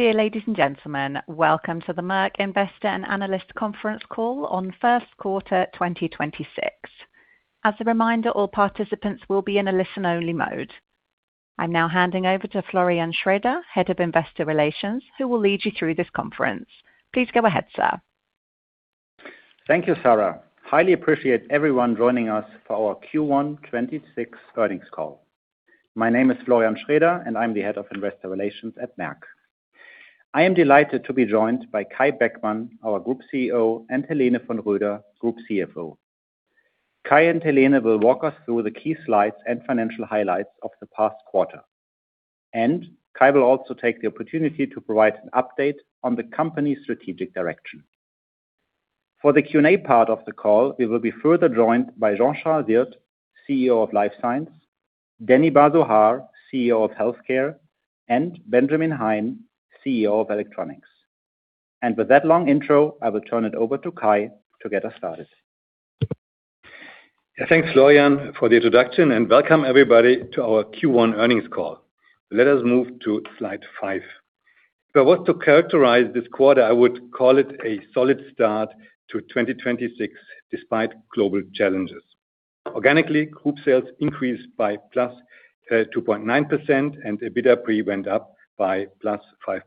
Dear ladies and gentlemen, welcome to the Merck Investor and Analyst Conference Call on first quarter 2026. As a reminder, all participants will be in a listen-only mode. I'm now handing over to Florian Schroeher, Head of Investor Relations, who will lead you through this conference. Please go ahead, sir Thank you, Sarah. Highly appreciate everyone joining us for our Q1 2026 earnings call. My name is Florian Schroeher, I'm the Head of Investor Relations at Merck. I am delighted to be joined by Kai Beckmann, our Group CEO, Helene von Roeder, Group CFO. Kai and Helene will walk us through the key slides and financial highlights of the past quarter. Kai will also take the opportunity to provide an update on the company's strategic direction. For the Q&A part of the call, we will be further joined by Jean-Charles Wirth, CEO of Life Science, Danny Bar-Zohar, CEO of Healthcare, Benjamin Hein, CEO of Electronics. With that long intro, I will turn it over to Kai to get us started. Thanks, Florian, for the introduction, and welcome everybody to our Q1 earnings call. Let us move to Slide 5. If I was to characterize this quarter, I would call it a solid start to 2026 despite global challenges. Organically, group sales increased by +2.9%, and EBITDA pre went up by +5.3%.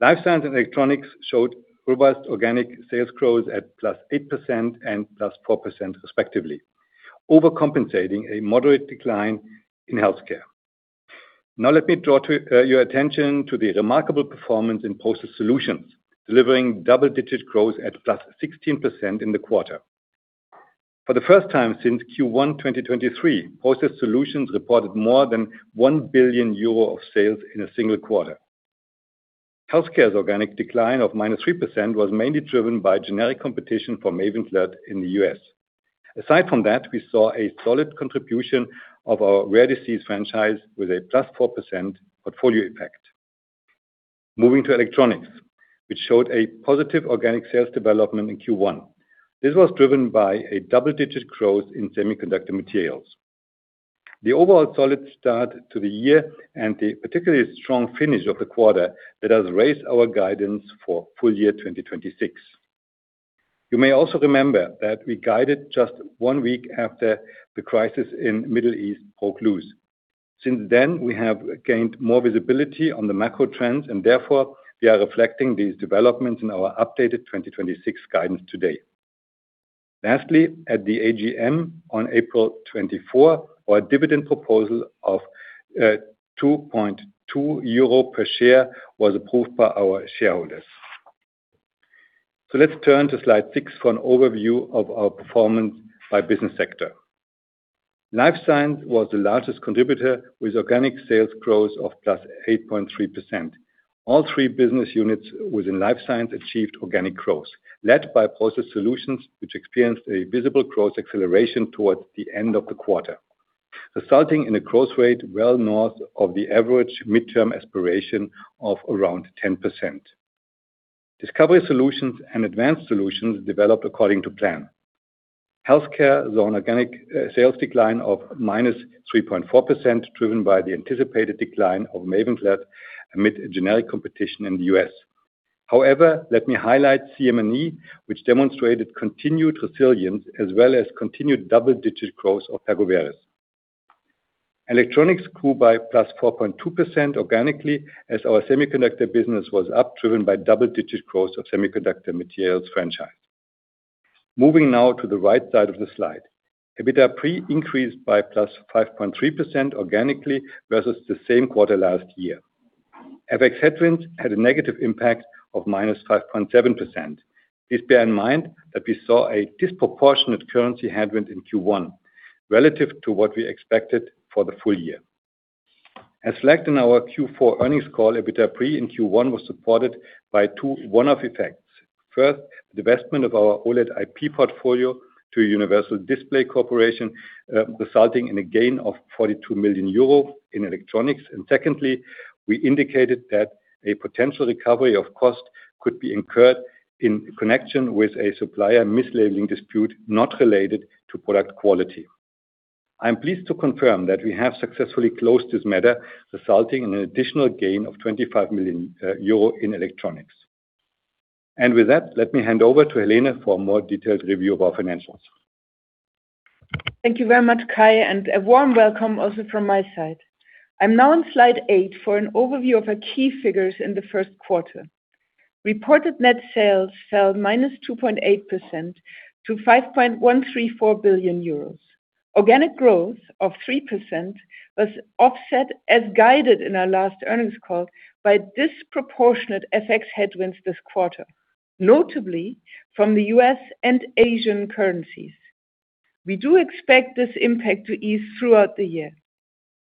Life Science and Electronics showed robust organic sales growth at +8% and +4% respectively, overcompensating a moderate decline in Healthcare. Now let me draw your attention to the remarkable performance in Process Solutions, delivering double-digit growth at +16% in the quarter. For the first time since Q1 2023, Process Solutions reported more than 1 billion euro of sales in a single quarter. Healthcare's organic decline of -3% was mainly driven by generic competition for MAVENCLAD in the U.S. Aside from that, we saw a solid contribution of our rare disease franchise with a +4% portfolio impact. Moving to Electronics, which showed a positive organic sales development in Q1. This was driven by a double-digit growth in semiconductor materials. The overall solid start to the year and the particularly strong finish of the quarter that has raised our guidance for full year 2026. You may also remember that we guided just one week after the crisis in Middle East broke loose. Therefore, we are reflecting these developments in our updated 2026 guidance today. Lastly, at the AGM on April 24, our dividend proposal of 2.2 euro per share was approved by our shareholders. Let's turn to Slide 6 for an overview of our performance by business sector. Life Science was the largest contributor with organic sales growth of +8.3%. All 3 business units within Life Science achieved organic growth, led by Process Solutions, which experienced a visible growth acceleration towards the end of the quarter, resulting in a growth rate well north of the average midterm aspiration of around 10%. Discovery Solutions and Advanced Solutions developed according to plan. Healthcare saw an organic sales decline of -3.4%, driven by the anticipated decline of MAVENCLAD amid generic competition in the U.S. Let me highlight CM&E, which demonstrated continued resilience as well as continued double-digit growth of Pergoveris. Electronics grew by +4.2% organically as our semiconductor business was up, driven by double-digit growth of semiconductor materials franchise. Moving now to the right side of the slide. EBITDA pre increased by +5.3% organically versus the same quarter last year. FX headwinds had a negative impact of -5.7%. Please bear in mind that we saw a disproportionate currency headwind in Q1 relative to what we expected for the full year. As selected in our Q4 earnings call, EBITDA pre in Q1 was supported by two one-off effects. First, the divestment of our OLED IP portfolio to Universal Display Corporation, resulting in a gain of 42 million euro in Electronics. Secondly, we indicated that a potential recovery of cost could be incurred in connection with a supplier mislabeling dispute not related to product quality. I am pleased to confirm that we have successfully closed this matter, resulting in an additional gain of 25 million euro in Electronics. With that, let me hand over to Helene for a more detailed review of our financials. Thank you very much, Kai, and a warm welcome also from my side. I'm now on Slide 8 for an overview of our key figures in the first quarter. Reported net sales fell -2.8% to 5.134 billion euros. Organic growth of 3% was offset as guided in our last earnings call by disproportionate FX headwinds this quarter, notably from the U.S. and Asian currencies. We do expect this impact to ease throughout the year.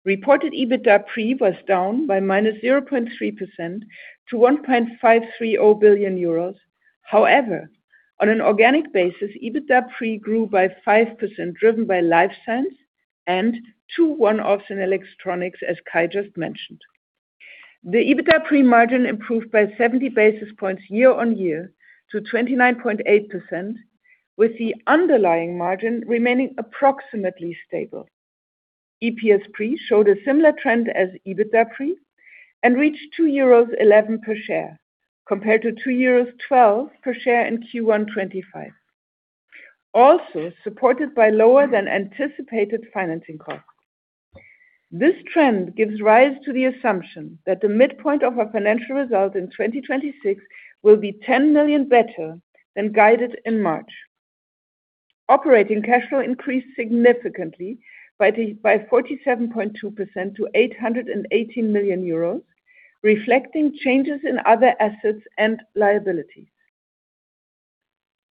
Reported EBITDA pre was down by -0.3% to 1.530 billion euros. However, on an organic basis, EBITDA pre grew by 5%, driven by Life Science and two one-offs in Electronics, as Kai just mentioned. The EBITDA pre margin improved by 70 basis points year-on-year to 29.8%, with the underlying margin remaining approximately stable. EPS pre showed a similar trend as EBITDA pre and reached 2.11 euros per share, compared to 2.12 euros per share in Q1 2025, also supported by lower than anticipated financing costs. This trend gives rise to the assumption that the midpoint of our financial result in 2026 will be 10 million better than guided in March. Operating cash flow increased significantly by 47.2% to 818 million euros, reflecting changes in other assets and liabilities.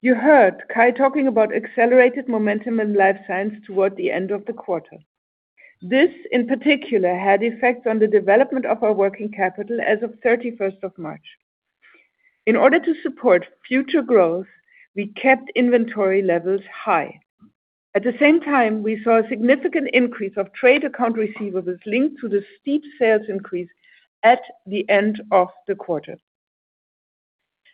You heard Kai talking about accelerated momentum in Life Science toward the end of the quarter. This, in particular, had effects on the development of our working capital as of 31st of March. In order to support future growth, we kept inventory levels high. At the same time, we saw a significant increase of trade account receivables linked to the steep sales increase at the end of the quarter.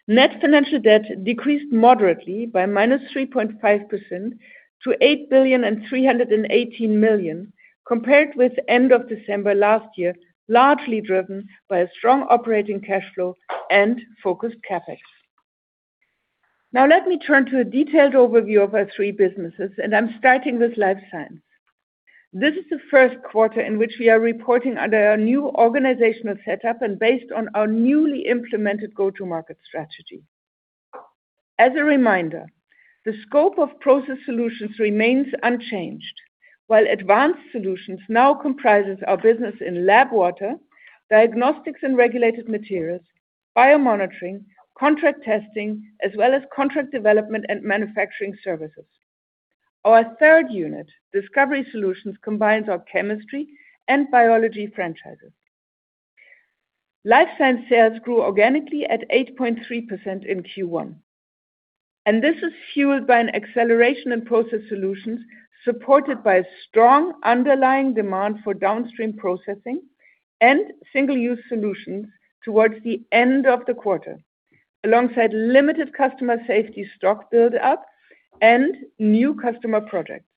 Net financial debt decreased moderately by -3.5% to 8.318 billion, compared with end of December last year, largely driven by a strong operating cash flow and focused CapEx. Let me turn to a detailed overview of our three businesses, and I'm starting with Life Science. This is the first quarter in which we are reporting under our new organizational setup and based on our newly implemented go-to-market strategy. As a reminder, the scope of Process Solutions remains unchanged. While Advanced Solutions now comprises our business in lab water, diagnostics and regulated materials, biomonitoring, contract testing, as well as contract development and manufacturing services. Our third unit, Discovery Solutions, combines our chemistry and biology franchises. Life Science sales grew organically at 8.3% in Q1. This is fueled by an acceleration in Process Solutions supported by strong underlying demand for downstream processing and single-use solutions towards the end of the quarter, alongside limited customer safety stock build-up and new customer projects.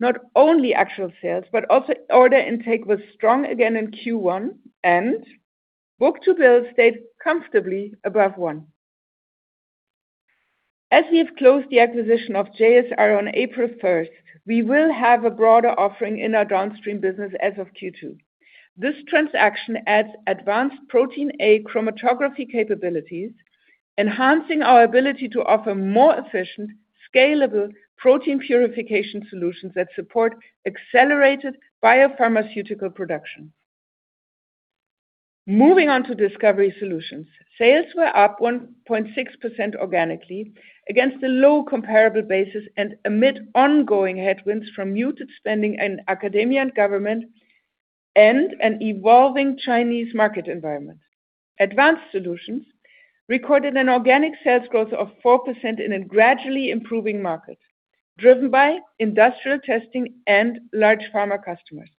Not only actual sales, but also order intake was strong again in Q1 and book-to-bill stayed comfortably above 1.0. We have closed the acquisition of JSR on April 1st, we will have a broader offering in our downstream business as of Q2. This transaction adds advanced protein A chromatography capabilities, enhancing our ability to offer more efficient, scalable protein purification solutions that support accelerated biopharmaceutical production. Moving on to Discovery Solutions. Sales were up 1.6% organically against a low comparable basis and amid ongoing headwinds from muted spending in academia and government and an evolving Chinese market environment. Advanced Solutions recorded an organic sales growth of 4% in a gradually improving market, driven by industrial testing and large pharma customers.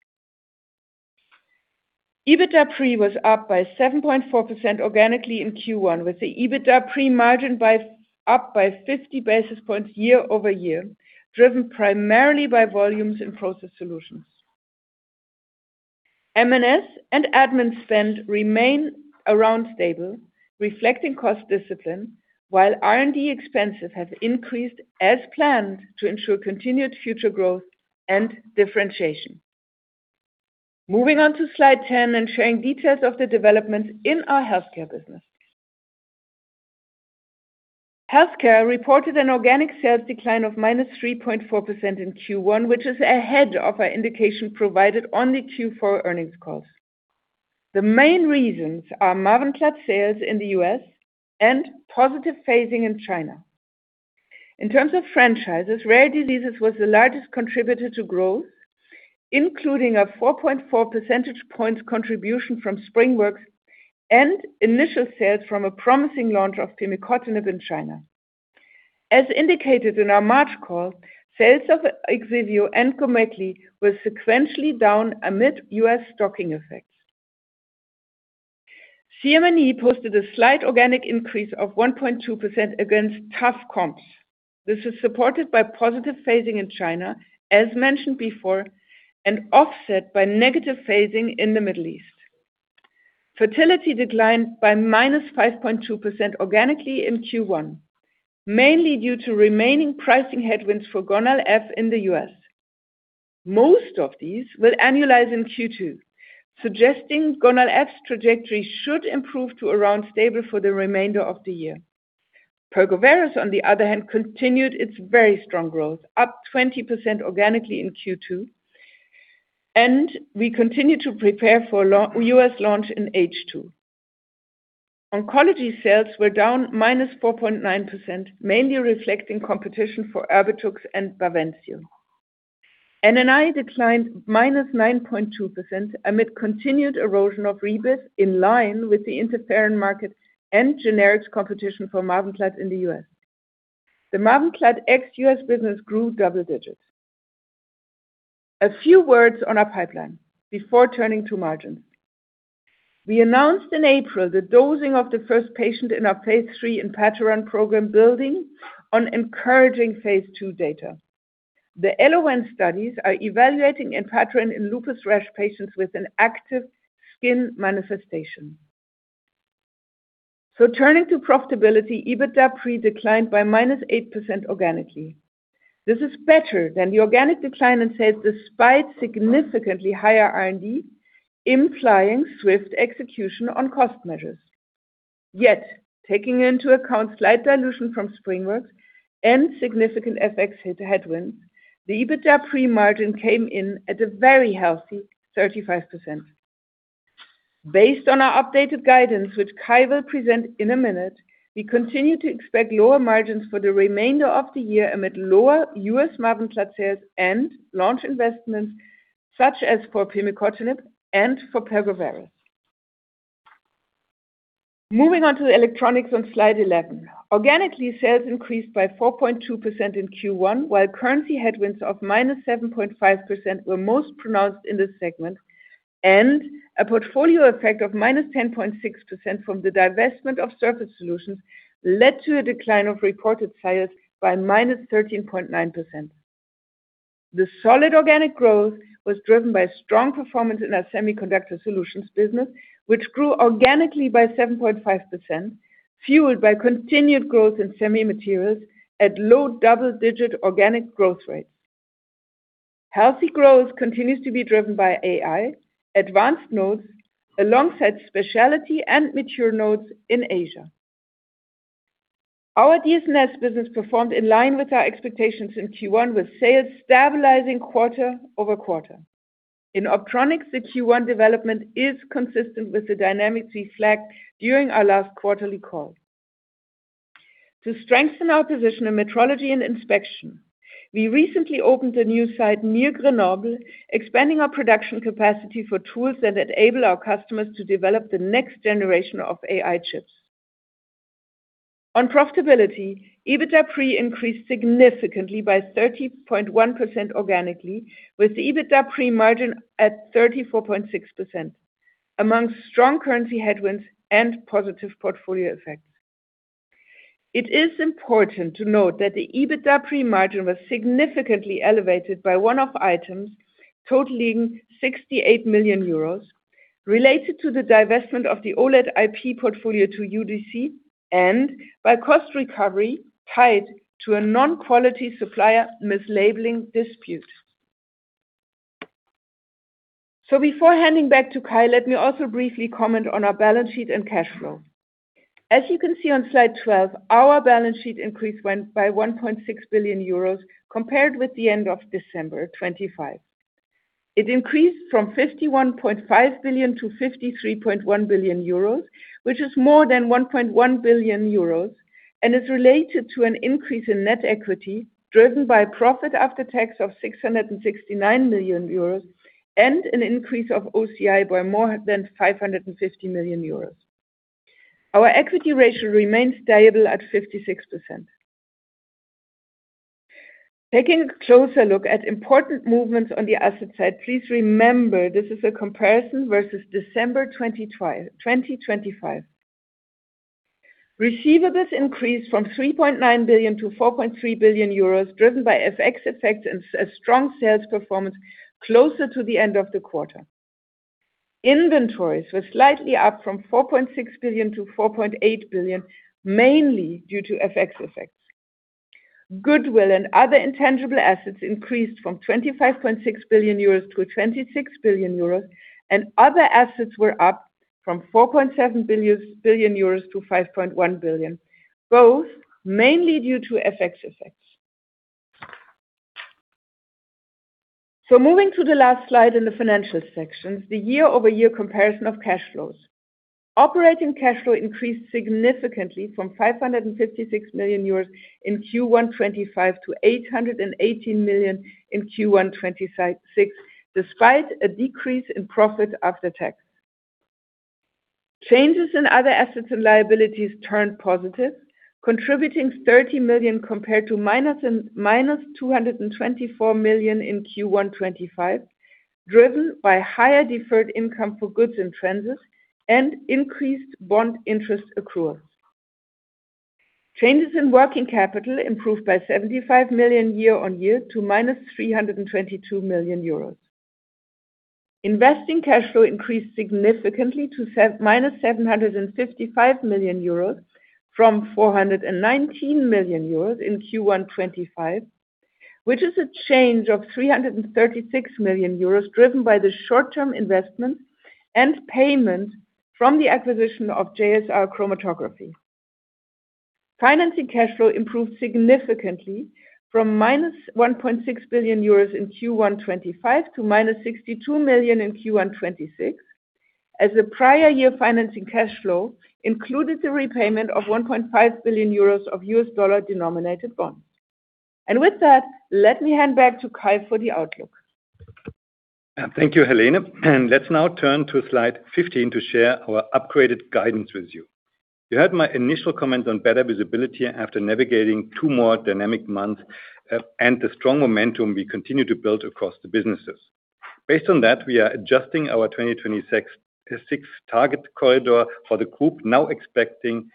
EBITDA pre was up by 7.4% organically in Q1, with the EBITDA pre-margin up by 50 basis points year-over-year, driven primarily by volumes in Process Solutions. M&S and admin spend remain around stable, reflecting cost discipline, while R&D expenses have increased as planned to ensure continued future growth and differentiation. Moving on to Slide 10 and sharing details of the developments in our Healthcare business. Healthcare reported an organic sales decline of -3.4% in Q1, which is ahead of our indication provided on the Q4 earnings call. The main reasons are MAVENCLAD sales in the U.S. and positive phasing in China. In terms of franchises, rare diseases was the largest contributor to growth, including a 4.4 percentage points contribution from SpringWorks and initial sales from a promising launch of pimicotinib in China. As indicated in our March call, sales of OGSIVEO and GOMEKLI were sequentially down amid U.S. stocking effects. CM&E posted a slight organic increase of 1.2% against tough comps. This is supported by positive phasing in China, as mentioned before, and offset by negative phasing in the Middle East. Fertility declined by -5.2% organically in Q1, mainly due to remaining pricing headwinds for GONAL-f in the U.S. Most of these will annualize in Q2, suggesting GONAL-f's trajectory should improve to around stable for the remainder of the year. Pergoveris, on the other hand, continued its very strong growth, up 20% organically in Q2, and we continue to prepare for U.S. launch in H2. Oncology sales were down -4.9%, mainly reflecting competition for Erbitux and BAVENCIO. NNI declined -9.2% amid continued erosion of Rebif in line with the interferon market and generic competition for MAVENCLAD in the U.S. The MAVENCLAD ex-U.S. business grew double digits. A few words on our pipeline before turning to margins. We announced in April the dosing of the first patient in our phase III enpatoran program building on encouraging phase II data. The ELOWEN studies are evaluating enpatoran in lupus rash patients with an active skin manifestation. Turning to profitability, EBITDA pre declined by -8% organically. This is better than the organic decline in sales despite significantly higher R&D, implying swift execution on cost measures. Yet, taking into account slight dilution from SpringWorks and significant FX headwinds, the EBITDA pre-margin came in at a very healthy 35%. Based on our updated guidance, which Kai will present in a minute, we continue to expect lower margins for the remainder of the year amid lower U.S. MAVENCLAD sales and launch investments such as for pimicotinib and for Pergoveris. Moving on to the Electronics on Slide 11. Organically, sales increased by 4.2% in Q1, while currency headwinds of -7.5% were most pronounced in this segment, and a portfolio effect of -10.6% from the divestment of surface solutions led to a decline of reported sales by -13.9%. The solid organic growth was driven by strong performance in our semiconductor solutions business, which grew organically by 7.5%, fueled by continued growth in semi materials at low double-digit organic growth rates. Healthy growth continues to be driven by AI, advanced nodes, alongside specialty and mature nodes in Asia. Our DS&S business performed in line with our expectations in Q1, with sales stabilizing quarter-over-quarter. In Optronics, the Q1 development is consistent with the dynamics we flagged during our last quarterly call. To strengthen our position in metrology and inspection, we recently opened a new site near Grenoble, expanding our production capacity for tools that enable our customers to develop the next generation of AI chips. On profitability, EBITDA pre increased significantly by 30.1% organically, with EBITDA pre margin at 34.6% amongst strong currency headwinds and positive portfolio effects. It is important to note that the EBITDA pre margin was significantly elevated by one-off items totaling 68 million euros related to the divestment of the OLED IP portfolio to UDC and by cost recovery tied to a non-quality supplier mislabeling dispute. Before handing back to Kai, let me also briefly comment on our balance sheet and cash flow. As you can see on Slide 12, our balance sheet increase went by 1.6 billion euros compared with the end of December 2025. It increased from 51.5 billion to 53.1 billion euros, which is more than 1.1 billion euros and is related to an increase in net equity driven by profit after tax of 669 million euros and an increase of OCI by more than 550 million euros. Our equity ratio remains stable at 56%. Taking a closer look at important movements on the asset side, please remember this is a comparison versus December 2025. Receivables increased from 3.9 billion to 4.3 billion euros driven by FX effects and a strong sales performance closer to the end of the quarter. Inventories were slightly up from 4.6 billion to 4.8 billion, mainly due to FX effects. Goodwill and other intangible assets increased from 25.6 billion euros to 26 billion euros, and other assets were up from 4.7 billion to 5.1 billion, both mainly due to FX effects. Moving to the last slide in the financial section, the year-over-year comparison of cash flows. Operating cash flow increased significantly from 556 million euros in Q1 2025 to 818 million in Q1 2026, despite a decrease in profit after tax. Changes in other assets and liabilities turned positive, contributing 30 million compared to -224 million in Q1 2025, driven by higher deferred income for goods in transit and increased bond interest accruals. Changes in working capital improved by 75 million year-on-year to -322 million euros. Investing cash flow increased significantly to -755 million euros from 419 million euros in Q1 2025, which is a change of 336 million euros driven by the short-term investment and payment from the acquisition of JSR Chromatography. Financing cash flow improved significantly from -1.6 billion euros in Q1 2025 to minus 62 million in Q1 2026, as the prior year financing cash flow included the repayment of 1.5 billion euros of U.S. dollar-denominated bonds. With that, let me hand back to Kai for the outlook. Thank you, Helene. Let's now turn to Slide 15 to share our upgraded guidance with you. You heard my initial comments on better visibility after navigating two more dynamic months, and the strong momentum we continue to build across the businesses. Based on that, we are adjusting our 2026 target corridor for the group now expecting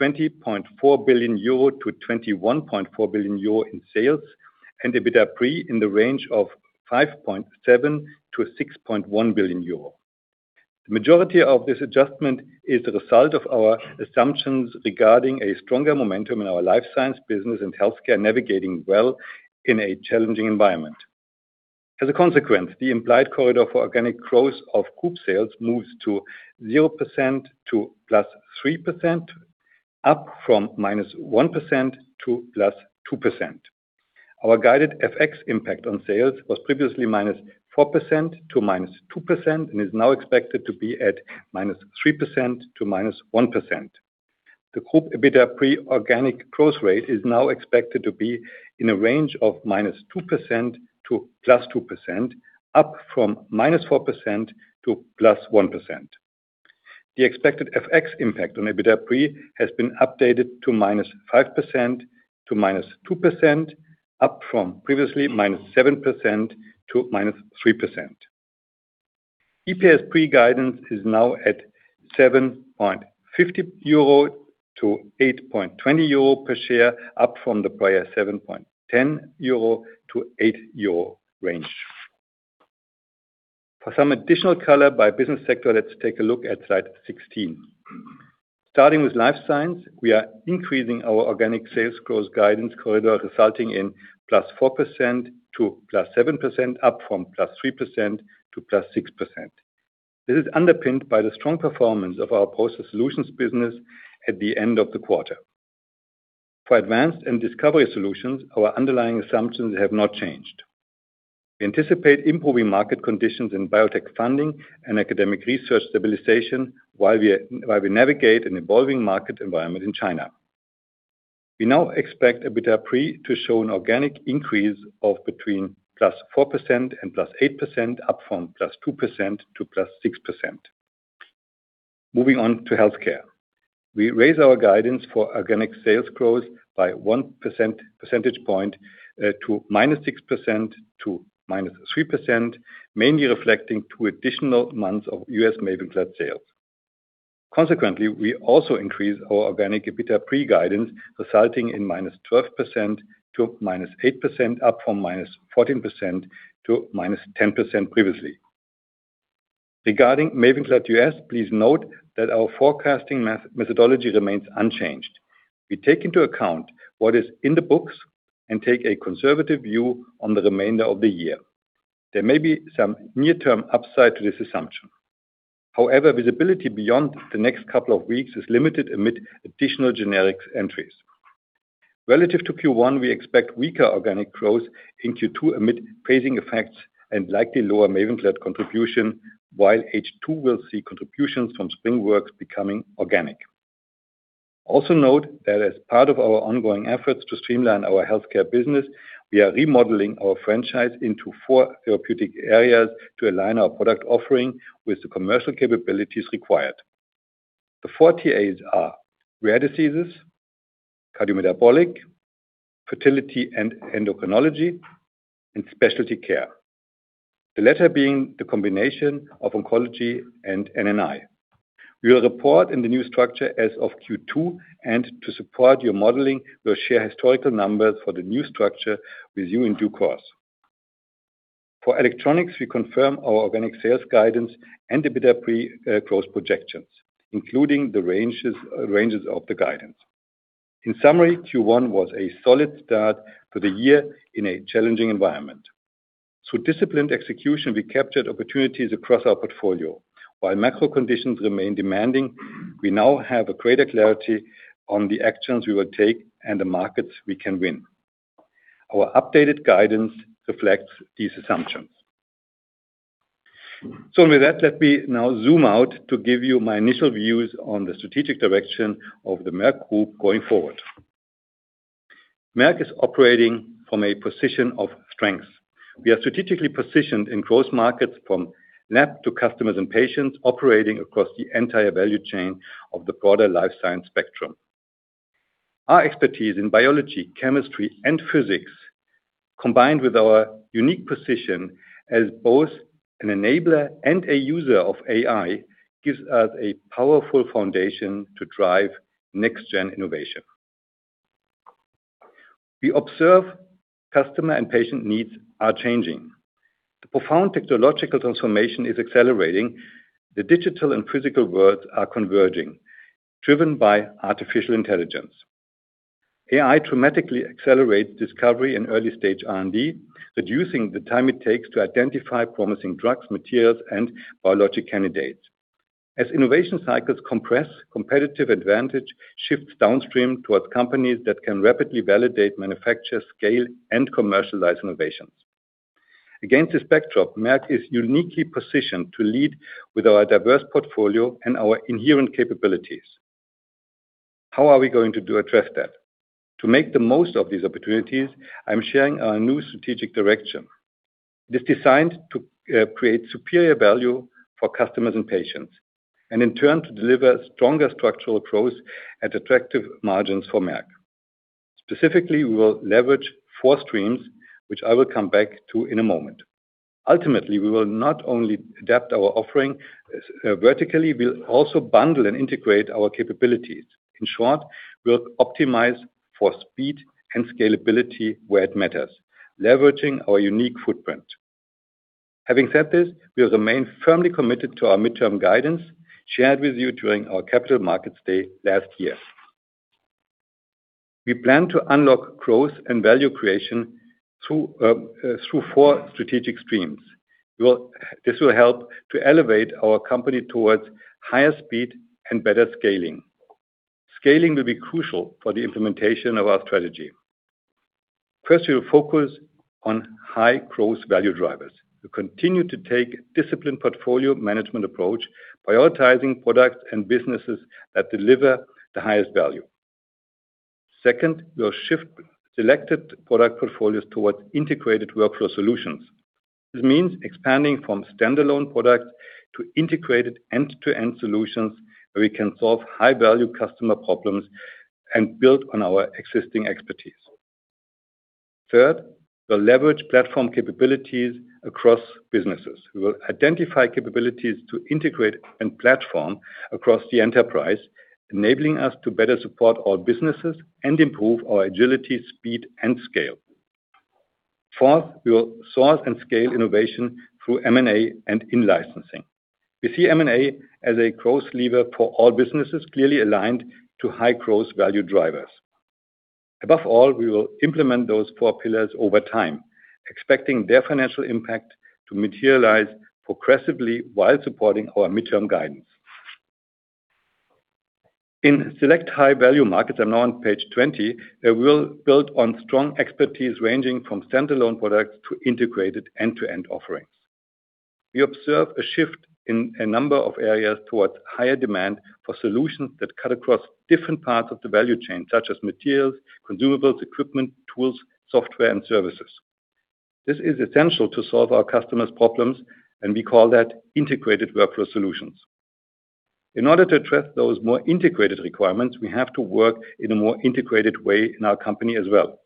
20.4 billion-21.4 billion euro in sales and EBITDA pre in the range of 5.7 billion-6.1 billion euro. The majority of this adjustment is the result of our assumptions regarding a stronger momentum in our Life Science business and healthcare navigating well in a challenging environment. As a consequence, the implied corridor for organic growth of group sales moves to 0% to +3%, up from -1% to +2%. Our guided FX impact on sales was previously -4% to -2% and is now expected to be at -3% to -1%. The group EBITDA pre-organic growth rate is now expected to be in a range of -2% to +2%, up from -4% to +1%. The expected FX impact on EBITDA pre has been updated to -5% to -2%, up from previously -7% to -3%. EPS pre-guidance is now at 7.50 euro to 8.20 euro per share, up from the prior 7.10 euro to 8 euro range. For some additional color by business sector, let's take a look at Slide 16. Starting with Life Science, we are increasing our organic sales growth guidance corridor resulting in +4% to +7%, up from +3% to +6%. This is underpinned by the strong performance of our Process Solutions business at the end of the quarter. For Advanced Solutions and Discovery Solutions, our underlying assumptions have not changed. We anticipate improving market conditions in biotech funding and academic research stabilization while we navigate an evolving market environment in China. We now expect EBITDA pre to show an organic increase of between +4% and +8%, up from +2% to +6%. Moving on to Healthcare. We raise our guidance for organic sales growth by 1 percentage point to -6% to -3%, mainly reflecting two additional months of U.S. MAVENCLAD sales. Consequently, we also increase our organic EBITDA pre-guidance resulting in -12% to -8%, up from -14% to -10% previously. Regarding MAVENCLAD U.S., please note that our forecasting methodology remains unchanged. We take into account what is in the books and take a conservative view on the remainder of the year. There may be some near term upside to this assumption. However, visibility beyond the next couple of weeks is limited amid additional generics entries. Relative to Q1, we expect weaker organic growth in Q2 amid phasing effects and likely lower MAVENCLAD contribution, while H2 will see contributions from SpringWorks becoming organic. Also note that as part of our ongoing efforts to streamline our healthcare business, we are remodeling our franchise into four therapeutic areas to align our product offering with the commercial capabilities required. The four TAs are rare diseases, cardiometabolic, fertility and endocrinology, and specialty care. The latter being the combination of oncology and NNI. We will report in the new structure as of Q2, and to support your modeling, we'll share historical numbers for the new structure with you in due course. For Electronics, we confirm our organic sales guidance and EBITDA pre growth projections, including the ranges of the guidance. In summary, Q1 was a solid start to the year in a challenging environment. Through disciplined execution, we captured opportunities across our portfolio. While macro conditions remain demanding, we now have a greater clarity on the actions we will take and the markets we can win. Our updated guidance reflects these assumptions. With that, let me now zoom out to give you my initial views on the strategic direction of the Merck Group going forward. Merck is operating from a position of strength. We are strategically positioned in growth markets from lab to customers and patients operating across the entire value chain of the broader life science spectrum. Our expertise in biology, chemistry, and physics, combined with our unique position as both an enabler and a user of AI, gives us a powerful foundation to drive next gen innovation. We observe customer and patient needs are changing. The profound technological transformation is accelerating. The digital and physical worlds are converging, driven by artificial intelligence. AI dramatically accelerates discovery in early stage R&D, reducing the time it takes to identify promising drugs, materials, and biologic candidates. As innovation cycles compress, competitive advantage shifts downstream towards companies that can rapidly validate, manufacture, scale, and commercialize innovations. Against this backdrop, Merck is uniquely positioned to lead with our diverse portfolio and our inherent capabilities. How are we going to address that? To make the most of these opportunities, I'm sharing our new strategic direction. It is designed to create superior value for customers and patients, and in turn, to deliver stronger structural growth at attractive margins for Merck. Specifically, we will leverage four streams, which I will come back to in a moment. Ultimately, we will not only adapt our offering vertically, we'll also bundle and integrate our capabilities. In short, we'll optimize for speed and scalability where it matters, leveraging our unique footprint. Having said this, we remain firmly committed to our midterm guidance shared with you during our Capital Markets Day last year. We plan to unlock growth and value creation through four strategic streams. This will help to elevate our company towards higher speed and better scaling. Scaling will be crucial for the implementation of our strategy. First, we'll focus on high growth value drivers. We continue to take disciplined portfolio management approach, prioritizing products and businesses that deliver the highest value. Second, we'll shift selected product portfolios towards integrated workflow solutions. This means expanding from standalone products to integrated end-to-end solutions where we can solve high-value customer problems and build on our existing expertise. Third, we'll leverage platform capabilities across businesses. We will identify capabilities to integrate and platform across the enterprise, enabling us to better support our businesses and improve our agility, speed, and scale. Fourth, we will source and scale innovation through M&A and in-licensing. We see M&A as a growth lever for all businesses clearly aligned to high-growth value drivers. Above all, we will implement those four pillars over time, expecting their financial impact to materialize progressively while supporting our midterm guidance. In select high-value markets, I'm now on Page 20, we will build on strong expertise ranging from standalone products to integrated end-to-end offerings. We observe a shift in a number of areas towards higher demand for solutions that cut across different parts of the value chain, such as materials, consumables, equipment, tools, software, and services. This is essential to solve our customers' problems. We call that integrated workflow solutions. In order to address those more integrated requirements, we have to work in a more integrated way in our company as well.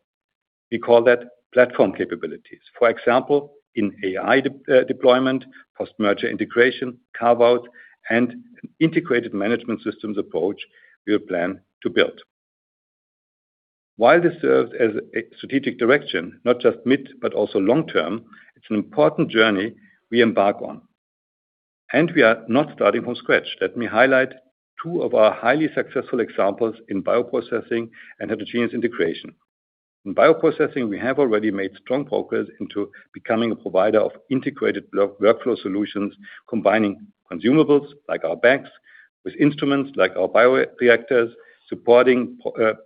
We call that platform capabilities. For example, in AI deployment, post-merger integration, carve-out, an integrated management systems approach we plan to build. While this serves as a strategic direction, not just mid, but also long term, it's an important journey we embark on. We are not starting from scratch. Let me highlight two of our highly successful examples in bioprocessing and heterogeneous integration. In bioprocessing, we have already made strong progress into becoming a provider of integrated work-workflow solutions, combining consumables like our bags with instruments like our bioreactors, supporting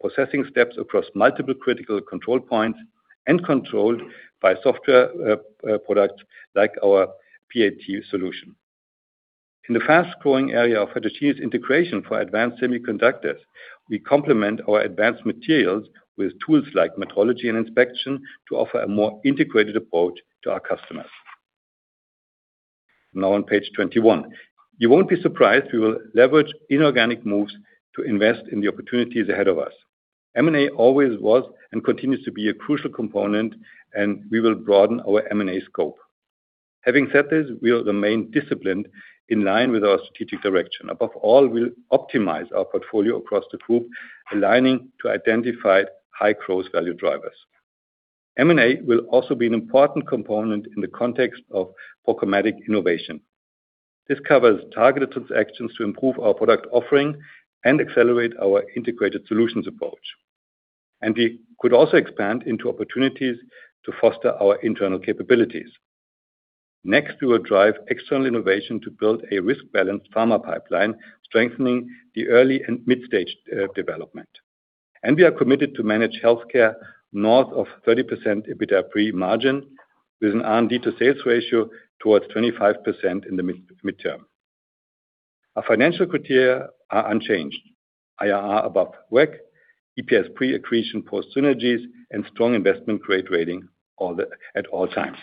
processing steps across multiple critical control points and controlled by software products like our PAT solution. In the fast-growing area of heterogeneous integration for advanced semiconductors, we complement our advanced materials with tools like metrology and inspection to offer a more integrated approach to our customers. On Page 21. You won't be surprised we will leverage inorganic moves to invest in the opportunities ahead of us. M&A always was and continues to be a crucial component, and we will broaden our M&A scope. Having said this, we remain disciplined in line with our strategic direction. Above all, we'll optimize our portfolio across the group, aligning to identified high-growth value drivers. M&A will also be an important component in the context of programmatic innovation. This covers targeted transactions to improve our product offering and accelerate our integrated solutions approach. We could also expand into opportunities to foster our internal capabilities. Next, we will drive external innovation to build a risk-balanced pharma pipeline, strengthening the early and mid-stage development. We are committed to manage Healthcare north of 30% EBITDA pre-margin with an R&D to sales ratio towards 25% in the mid-midterm. Our financial criteria are unchanged. IRR above WACC, EPS pre-accretion post synergies, and strong investment-grade rating at all times.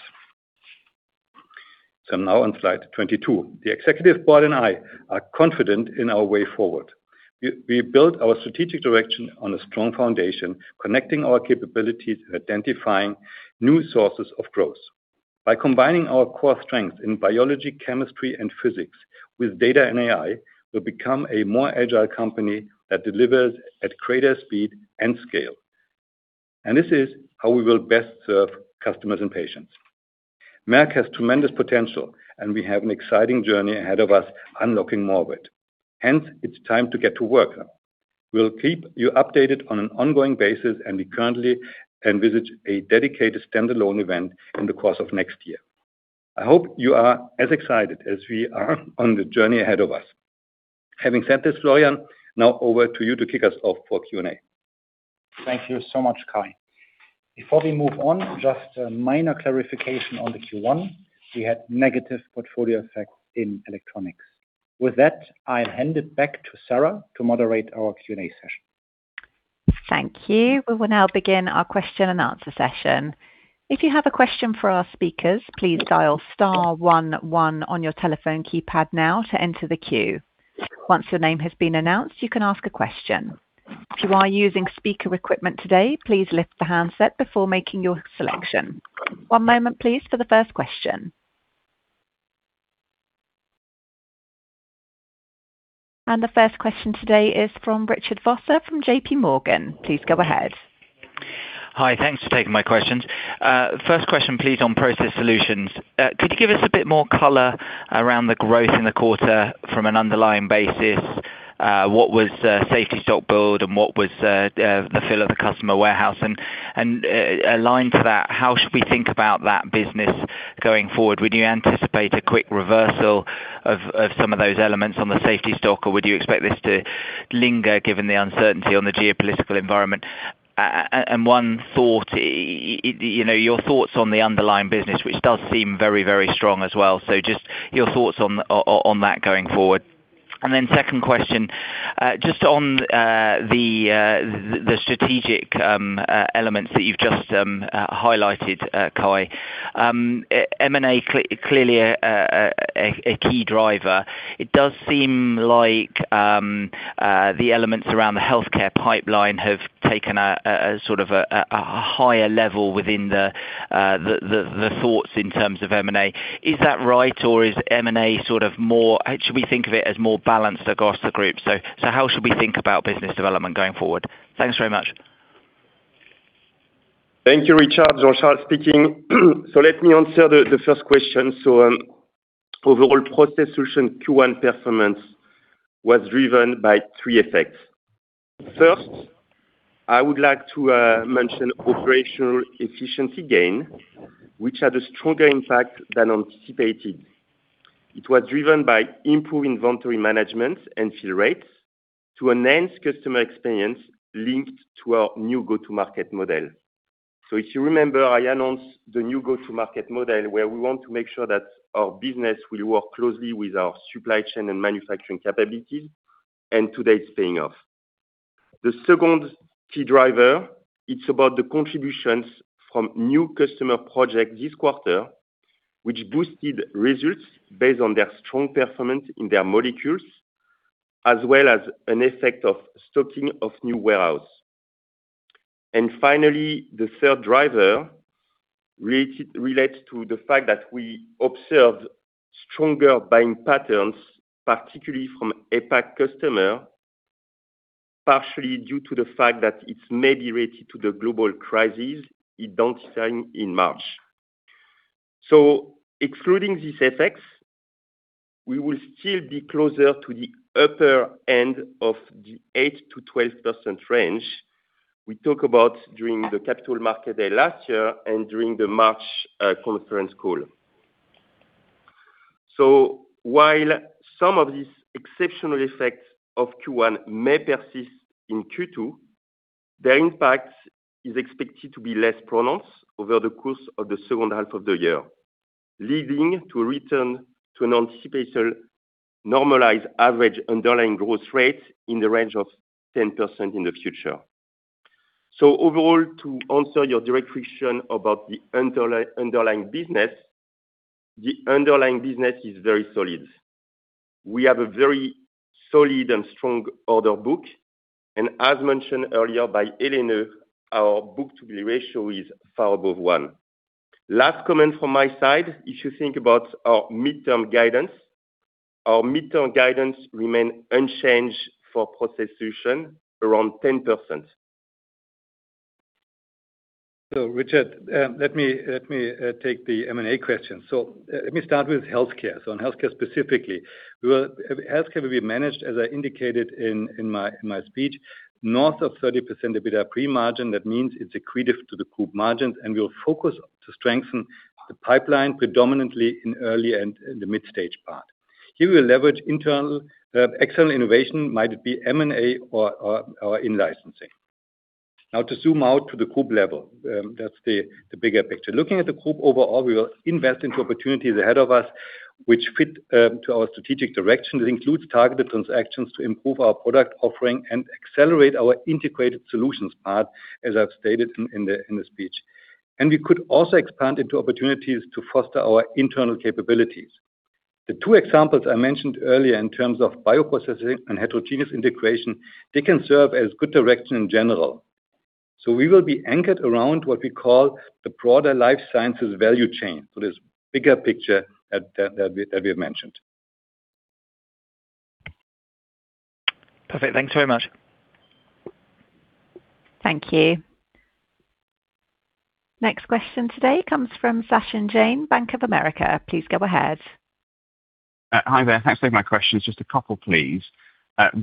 I'm now on Slide 22. The Executive Board and I are confident in our way forward. We built our strategic direction on a strong foundation, connecting our capabilities and identifying new sources of growth. By combining our core strengths in biology, chemistry, and physics with data and AI, we'll become a more agile company that delivers at greater speed and scale. This is how we will best serve customers and patients. Merck has tremendous potential, and we have an exciting journey ahead of us unlocking more of it. Hence, it's time to get to work. We'll keep you updated on an ongoing basis, and we currently envisage a dedicated standalone event in the course of next year. I hope you are as excited as we are on the journey ahead of us. Having said this, Florian, now over to you to kick us off for Q&A. Thank you so much, Kai. Before we move on, just a minor clarification on the Q1. We had negative portfolio effect in Electronics. With that, I'll hand it back to Sarah to moderate our Q&A session. Thank you. We will now begin our question and answer session. If you have a question for our speakers, please dial star one one on your telephone keypad now to enter the queue. Once your name has been announced, you can ask a question. If you are using speaker equipment today, please lift the handset before making your selection. One moment please for the first question. The first question today is from Richard Vosser from JPMorgan. Please go ahead. Hi. Thanks for taking my questions. First question please, on Process Solutions. Could you give us a bit more color around the growth in the quarter from an underlying basis? What was safety stock build and what was the fill of the customer warehouse? Aligned to that, how should we think about that business going forward? Would you anticipate a quick reversal of some of those elements on the safety stock, or would you expect this to linger given the uncertainty on the geopolitical environment? One thought, you know, your thoughts on the underlying business, which does seem very strong as well. Just your thoughts on that going forward. Second question, just on the strategic elements that you've just highlighted, Kai. M&A clearly a key driver. It does seem like the elements around the healthcare pipeline have taken a sort of a higher level within the thoughts in terms of M&A. Is that right, or Should we think of it as more balanced across the group? How should we think about business development going forward? Thanks very much. Thank you, Richard. Jean-Charles speaking. Let me answer the first question. Overall Process Solutions Q1 performance was driven by three effects. First, I would like to mention operational efficiency gain, which had a stronger impact than anticipated. It was driven by improved inventory management and fill rates to enhance customer experience linked to our new go-to-market model. If you remember, I announced the new go-to-market model where we want to make sure that our business will work closely with our supply chain and manufacturing capabilities. To date, it's paying off. The second key driver, it's about the contributions from new customer project this quarter, which boosted results based on their strong performance in their molecules, as well as an effect of stocking of new warehouse. Finally, the third driver relates to the fact that we observed stronger buying patterns, particularly from APAC customer, partially due to the fact that it's maybe related to the global crisis identifying in March. Excluding these effects, we will still be closer to the upper end of the 8%-12% range we talk about during the Capital Markets Day last year and during the March conference call. While some of these exceptional effects of Q1 may persist in Q2, their impact is expected to be less pronounced over the course of the second half of the year, leading to a return to an anticipated normalized average underlying growth rate in the range of 10% in the future. Overall, to answer your direct question about the underlying business, the underlying business is very solid. We have a very solid and strong order book, and as mentioned earlier by Helene, our book-to-bill ratio is far above one. Last comment from my side, if you think about our midterm guidance, our midterm guidance remain unchanged for Process Solutions, around 10%. Richard, let me take the M&A question. Let me start with Healthcare. On Healthcare specifically. Healthcare will be managed, as I indicated in my speech, north of 30% EBITDA pre-margin. That means it's accretive to the group margins, and we'll focus to strengthen the pipeline predominantly in early and mid-stage part. Here, we leverage internal, external innovation, might it be M&A or in-licensing. Now to zoom out to the group level, that's the bigger picture. Looking at the group overall, we will invest into opportunities ahead of us which fit to our strategic direction. This includes targeted transactions to improve our product offering and accelerate our integrated solutions part, as I've stated in the speech. We could also expand into opportunities to foster our internal capabilities. The two examples I mentioned earlier in terms of bioprocessing and heterogeneous integration, they can serve as good direction in general. We will be anchored around what we call the broader life sciences value chain. This bigger picture that we've mentioned. Perfect. Thanks very much. Thank you. Next question today comes from Sachin Jain, Bank of America. Please go ahead. Hi, there. Thanks for taking my questions. Just a couple, please. First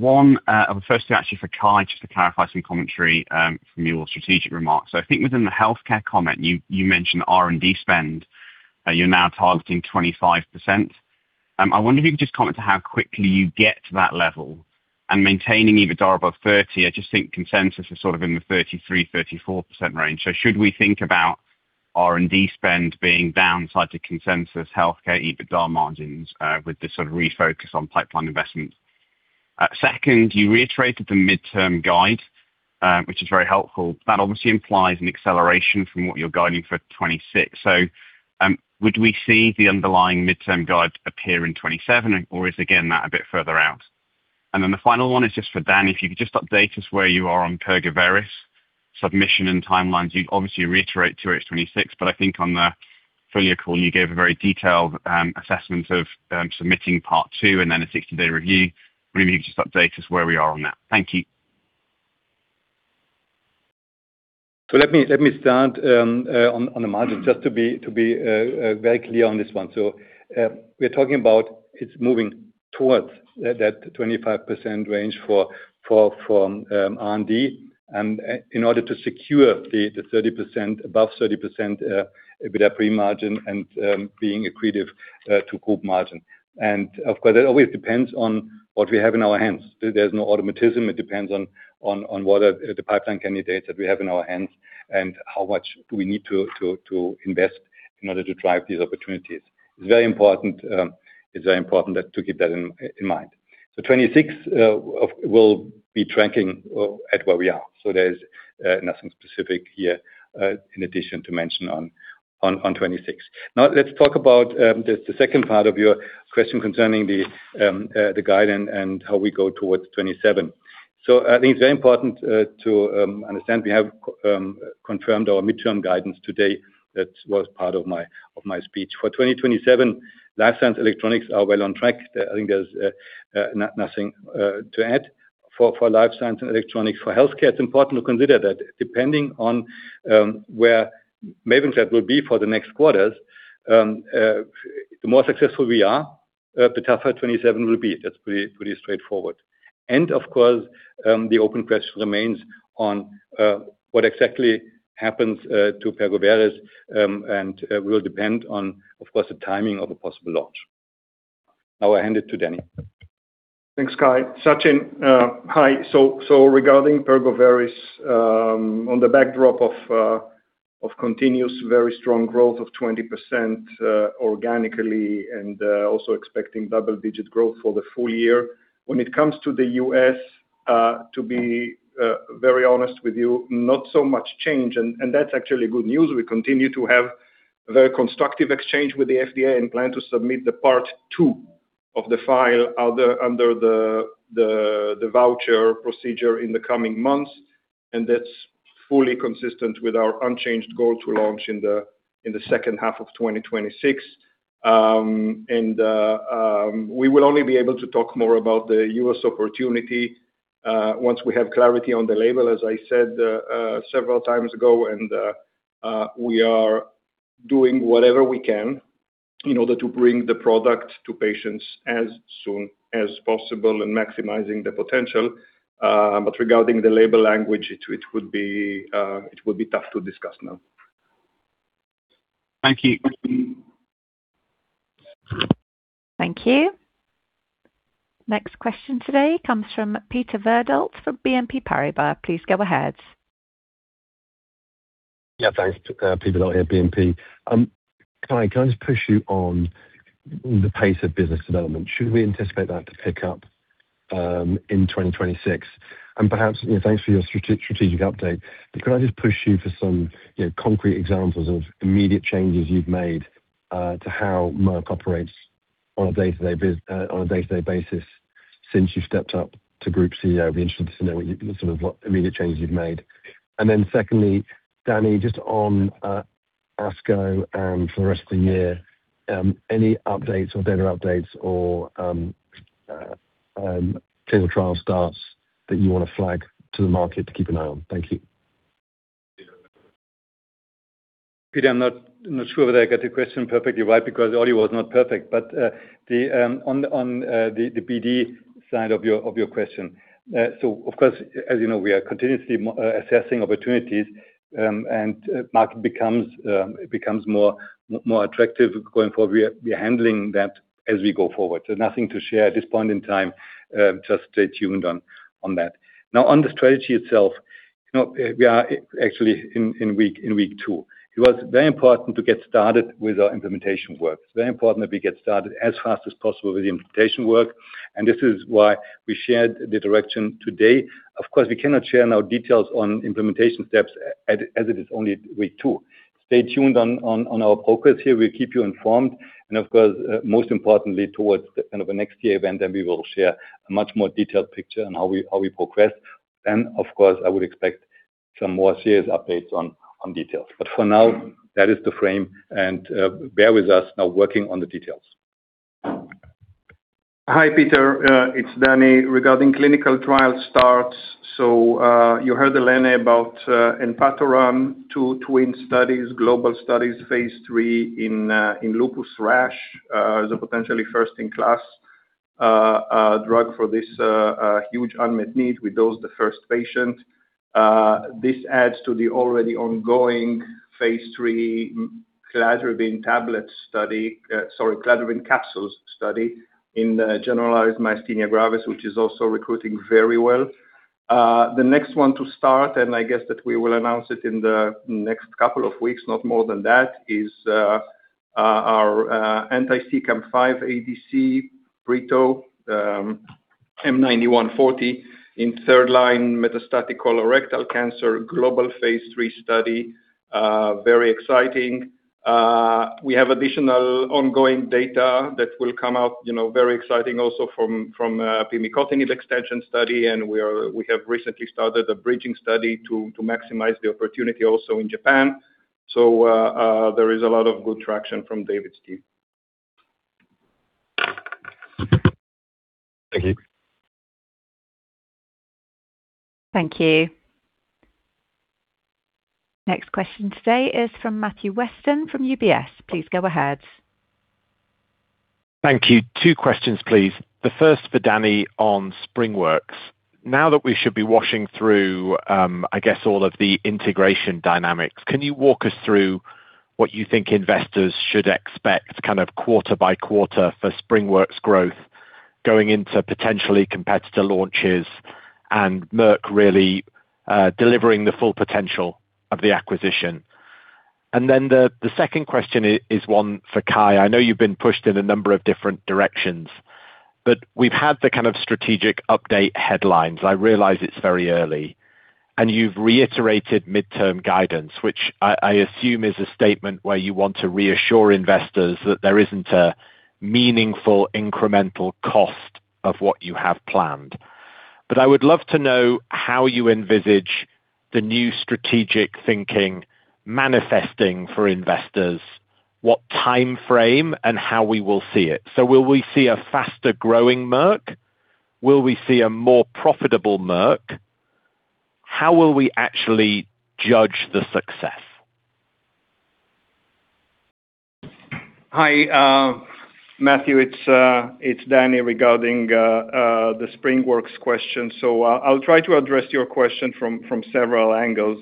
two actually for Kai, just to clarify some commentary from your strategic remarks. I think within the healthcare comment, you mentioned R&D spend, you're now targeting 25%. I wonder if you could just comment to how quickly you get to that level and maintaining EBITDA above 30. I just think consensus is sort of in the 33%-34% range. Should we think about R&D spend being down side to consensus healthcare EBITDA margins, with the sort of refocus on pipeline investments. Second, you reiterated the midterm guide, which is very helpful. That obviously implies an acceleration from what you're guiding for 2026. Would we see the underlying midterm guide appear in 2027, or is again that a bit further out? The final one is just for Dan. If you could just update us where you are on Pergoveris submission and timelines. You obviously reiterate to it 2026, but I think on the full year call, you gave a very detailed assessment of submitting part two and then a 60-day review. Maybe you can just update us where we are on that. Thank you. Let me start on the margin just to be very clear on this one. We're talking about it's moving towards that 25% range from R&D and in order to secure the 30%, above 30%, EBITDA pre-margin and being accretive to group margin. Of course, it always depends on what we have in our hands. There's no automatism. It depends on what the pipeline candidates that we have in our hands and how much do we need to invest in order to drive these opportunities. It's very important that to keep that in mind. 2026 will be tracking at where we are. There's nothing specific here in addition to mention on 2026. Let's talk about the second part of your question concerning the guide and how we go towards 2027. I think it's very important to understand we have confirmed our midterm guidance today. That was part of my speech. For 2027, Life Science, Electronics are well on track. I think there's nothing to add. For Life Science and Electronics. For Healthcare, it's important to consider that depending on where MAVENCLAD will be for the next quarters, the more successful we are, the tougher 2027 will be. That's pretty straightforward. Of course, the open question remains on what exactly happens to Pergoveris, and will depend on, of course, the timing of a possible launch. Now I hand it to Danny. Thanks, Kai. Sachin, hi. Regarding Pergoveris, on the backdrop of continuous very strong growth of 20% organically and also expecting double-digit growth for the full year. When it comes to the U.S., to be very honest with you, not so much change, and that's actually good news. We continue to have very constructive exchange with the FDA and plan to submit the part two of the file under the voucher procedure in the coming months. That's fully consistent with our unchanged goal to launch in the second half of 2026. We will only be able to talk more about the U.S. opportunity, once we have clarity on the label, as I said several times ago, and we are doing whatever we can in order to bring the product to patients as soon as possible and maximizing the potential. Regarding the label language, it would be tough to discuss now. Thank you. Thank you. Next question today comes from Peter Verdult from BNP Paribas. Please go ahead. Yeah, thanks. Peter, BNP. Kai, can I just push you on the pace of business development? Should we anticipate that to pick up in 2026? Perhaps, you know, thanks for your strategic update, but could I just push you for some, you know, concrete examples of immediate changes you've made to how Merck operates on a day-to-day basis since you've stepped up to Group CEO? I'd be interested to know what immediate changes you've made. Secondly, Danny, just on ASCO and for the rest of the year, any updates or data updates or clinical trial starts that you wanna flag to the market to keep an eye on. Thank you. Peter, I'm not sure whether I got your question perfectly right because the audio was not perfect. The BD side of your question. Of course, as you know, we are continuously assessing opportunities, and Merck becomes more attractive going forward. We are handling that as we go forward. Nothing to share at this point in time. Just stay tuned on that. Now, on the strategy itself, you know, we are actually in week two. It was very important to get started with our implementation work. It is very important that we get started as fast as possible with the implementation work, and this is why we shared the direction today. Of course, we cannot share now details on implementation steps as it is only week two. Stay tuned on our progress here. We'll keep you informed. Of course, most importantly, towards the end of the next year event, we will share a much more detailed picture on how we progress. Of course, I would expect some more serious updates on details. For now, that is the frame, and bear with us now working on the details. Hi, Peter. It's Danny. Regarding clinical trial starts, you heard Helene about enpatoran, two twin studies, global studies, phase III in lupus rash. It's a potentially first-in-class drug for this huge unmet need. We dosed the first patient. This adds to the already ongoing phase III cladribine tablet study, sorry, cladribine capsules study in generalized myasthenia gravis, which is also recruiting very well. The next one to start, and I guess that we will announce it in the next couple of weeks, not more than that, is our anti-CEACAM5 ADC, Brito, M9140 in third line metastatic colorectal cancer global phase III study. Very exciting. We have additional ongoing data that will come out, you know, very exciting also from pimicotinib extension study, and we have recently started a bridging study to maximize the opportunity also in Japan. There is a lot of good traction from David's team. Thank you. Thank you. Next question today is from Matthew Weston from UBS. Please go ahead. Thank you. Two questions, please. The first for Danny on Springworks. Now that we should be washing through, I guess all of the integration dynamics, can you walk us through what you think investors should expect kind of quarter by quarter for Springworks growth going into potentially competitor launches and Merck really, delivering the full potential of the acquisition? The second question is one for Kai. I know you've been pushed in a number of different directions, we've had the kind of strategic update headlines. I realize it's very early, you've reiterated midterm guidance, which I assume is a statement where you want to reassure investors that there isn't a meaningful incremental cost of what you have planned. I would love to know how you envisage the new strategic thinking manifesting for investors, what timeframe and how we will see it. Will we see a faster-growing Merck? Will we see a more profitable Merck? How will we actually judge the success? Hi, Matthew, it's Danny regarding the SpringWorks question. I'll try to address your question from several angles.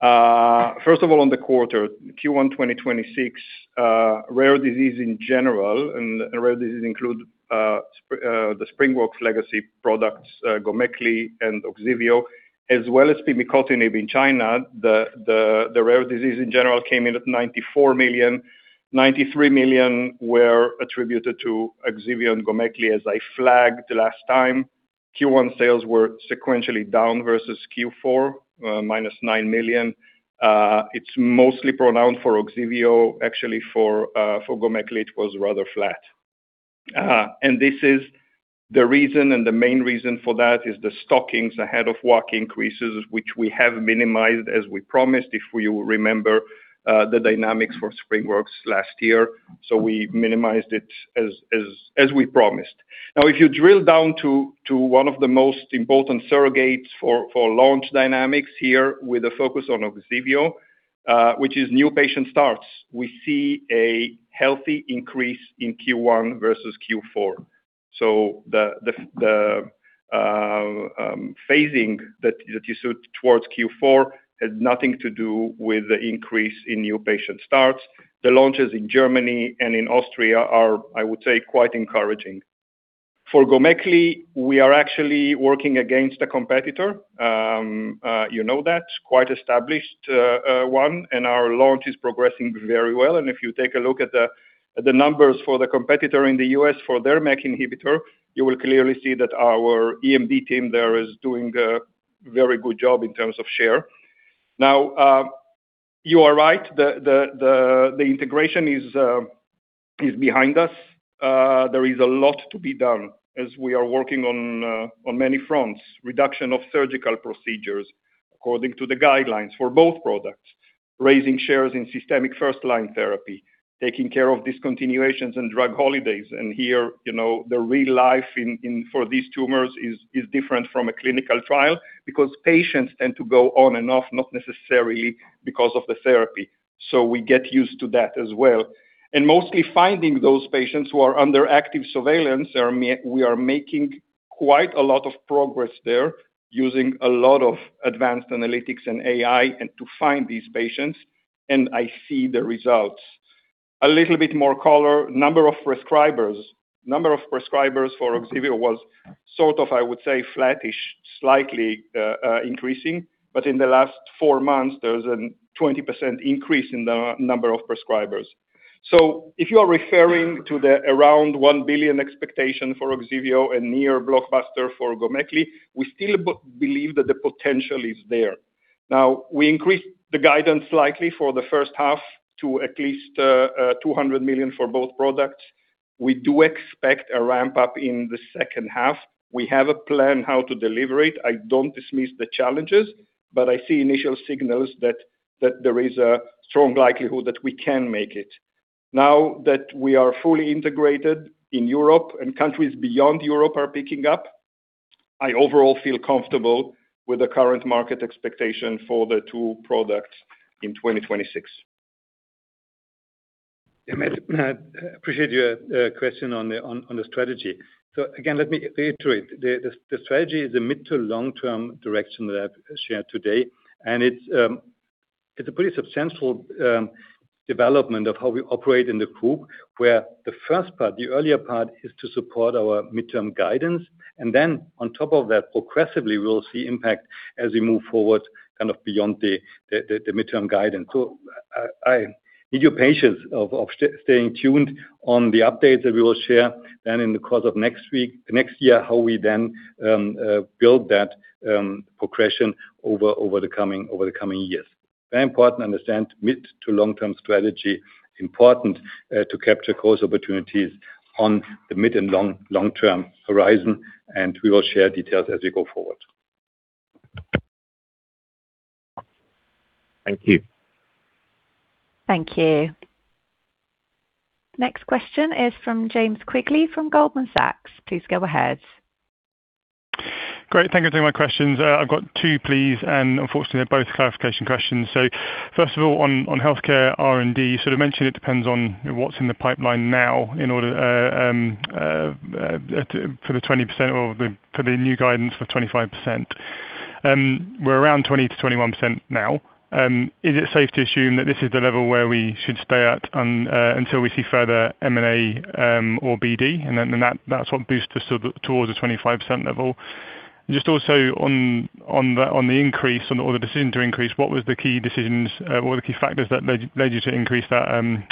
First of all, on the quarter, Q1 2026, rare disease in general, and rare disease include the SpringWorks legacy products, GOMEKLI and OGSIVEO, as well as pimicotinib in China. The rare disease in general came in at 94 million. 93 million were attributed to OGSIVEO and GOMEKLI, as I flagged last time. Q1 sales were sequentially down versus Q4, -9 million. It's mostly pronounced for OGSIVEO. Actually, for GOMEKLI, it was rather flat. This is the reason, and the main reason for that is the stockings ahead of WAC increases, which we have minimized as we promised, if you remember, the dynamics for SpringWorks last year. We minimized it as we promised. If you drill down to one of the most important surrogates for launch dynamics here with a focus on OGSIVEO, which is new patient starts, we see a healthy increase in Q1 versus Q4. The phasing that you saw towards Q4 has nothing to do with the increase in new patient starts. The launches in Germany and in Austria are, I would say, quite encouraging. For GOMEKLI, we are actually working against a competitor. You know that, quite established one, and our launch is progressing very well. If you take a look at the numbers for the competitor in the U.S. for their MEK inhibitor, you will clearly see that our EMD team there is doing a very good job in terms of share. Now, you are right. The integration is behind us. There is a lot to be done as we are working on many fronts. Reduction of surgical procedures according to the guidelines for both products, raising shares in systemic first-line therapy, taking care of discontinuations and drug holidays. Here, you know, the real life in for these tumors is different from a clinical trial because patients tend to go on and off, not necessarily because of the therapy. We get used to that as well. Mostly finding those patients who are under active surveillance, we are making quite a lot of progress there using a lot of advanced analytics and AI and to find these patients, and I see the results. A little bit more color. Number of prescribers. Number of prescribers for OGSIVEO was sort of, I would say, flattish, slightly increasing. In the last four months, there is a 20% increase in the number of prescribers. If you are referring to the around 1 billion expectation for OGSIVEO and near blockbuster for GOMEKLI, we still believe that the potential is there. We increased the guidance slightly for the first half to at least 200 million for both products. We do expect a ramp-up in the second half. We have a plan how to deliver it. I don't dismiss the challenges, but I see initial signals that there is a strong likelihood that we can make it. That we are fully integrated in Europe and countries beyond Europe are picking up, I overall feel comfortable with the current market expectation for the two products in 2026. Yeah, Matt, appreciate your question on the strategy. Again, let me reiterate. The strategy is a mid to long-term direction that I've shared today, and it's a pretty substantial development of how we operate in the group. Where the first part, the earlier part, is to support our midterm guidance, and then on top of that, progressively, we'll see impact as we move forward kind of beyond the midterm guidance. I need your patience of staying tuned on the updates that we will share then in the course of next year, how we then build that progression over the coming years. Very important to understand mid to long-term strategy. Important to capture growth opportunities on the mid and long-term horizon, and we will share details as we go forward. Thank you. Thank you. Next question is from James Quigley from Goldman Sachs. Please go ahead. Great. Thank you for taking my questions. I've got two, please. Unfortunately, they're both clarification questions. First of all, on healthcare R&D, you sort of mentioned it depends on what's in the pipeline now in order for the 20% or for the new guidance for 25%. We're around 20%-21% now. Is it safe to assume that this is the level where we should stay at until we see further M&A or BD, and then that's what boosts us towards the 25% level? Just also on the increase, on all the decisions to increase, what was the key decisions, what were the key factors that led you to increase that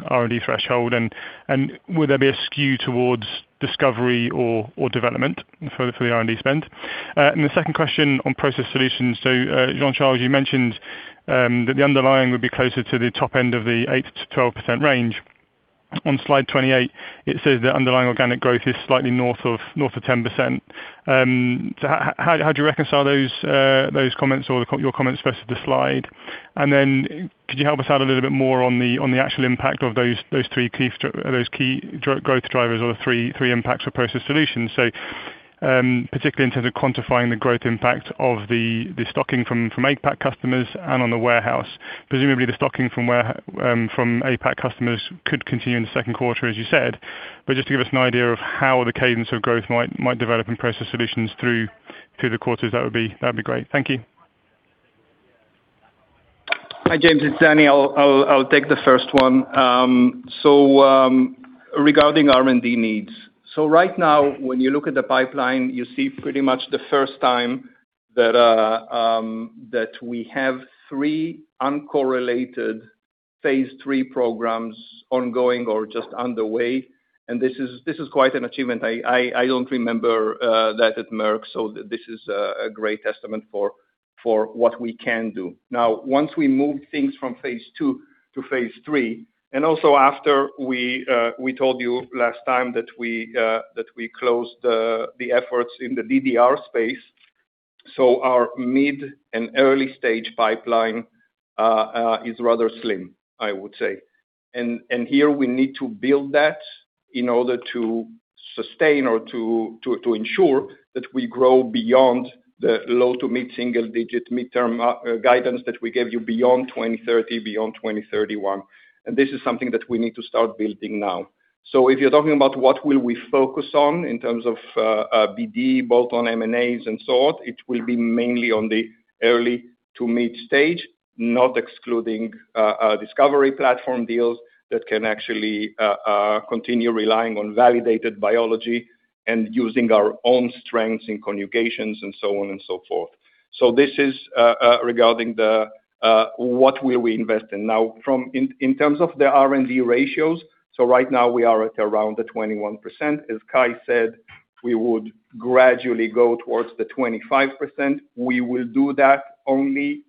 R&D threshold? Would there be a skew towards discovery or development for the R&D spend? The second question on Process Solutions. Jean-Charles, you mentioned that the underlying would be closer to the top end of the 8%-12% range. On Slide 28, it says the underlying organic growth is slightly north of 10%. How do you reconcile those comments or your comments versus the slide? Could you help us out a little bit more on the actual impact of those three key growth drivers or the three impacts for Process Solutions? Particularly in terms of quantifying the growth impact of the stocking from APAC customers and on the warehouse. Presumably the stocking from APAC customers could continue in the second quarter, as you said. Just to give us an idea of how the cadence of growth might develop in Process Solutions through the quarters, that would be, that'd be great. Thank you. Hi, James. It's Danny. I'll take the first one. Regarding R&D needs. Right now when you look at the pipeline, you see pretty much the first time that we have three uncorrelated phase III programs ongoing or just underway, this is quite an achievement. I don't remember that at Merck, this is a great testament for what we can do. Now, once we move things from phase II to phase III, and also after we told you last time that we closed the efforts in the DDR space. Our mid and early-stage pipeline is rather slim, I would say. Here we need to build that in order to sustain or to ensure that we grow beyond the low to mid-single digit midterm guidance that we gave you beyond 2030 beyond 2031. This is something that we need to start building now. If you're talking about what will we focus on in terms of BD, both on M&As and so on, it will be mainly on the early to mid stage, not excluding discovery platform deals that can actually continue relying on validated biology and using our own strengths in conjugations and so on and so forth. This is regarding what will we invest in. Now, in terms of the R&D ratios, so right now we are at around the 21%. As Kai said, we would gradually go towards the 25%. We will do that only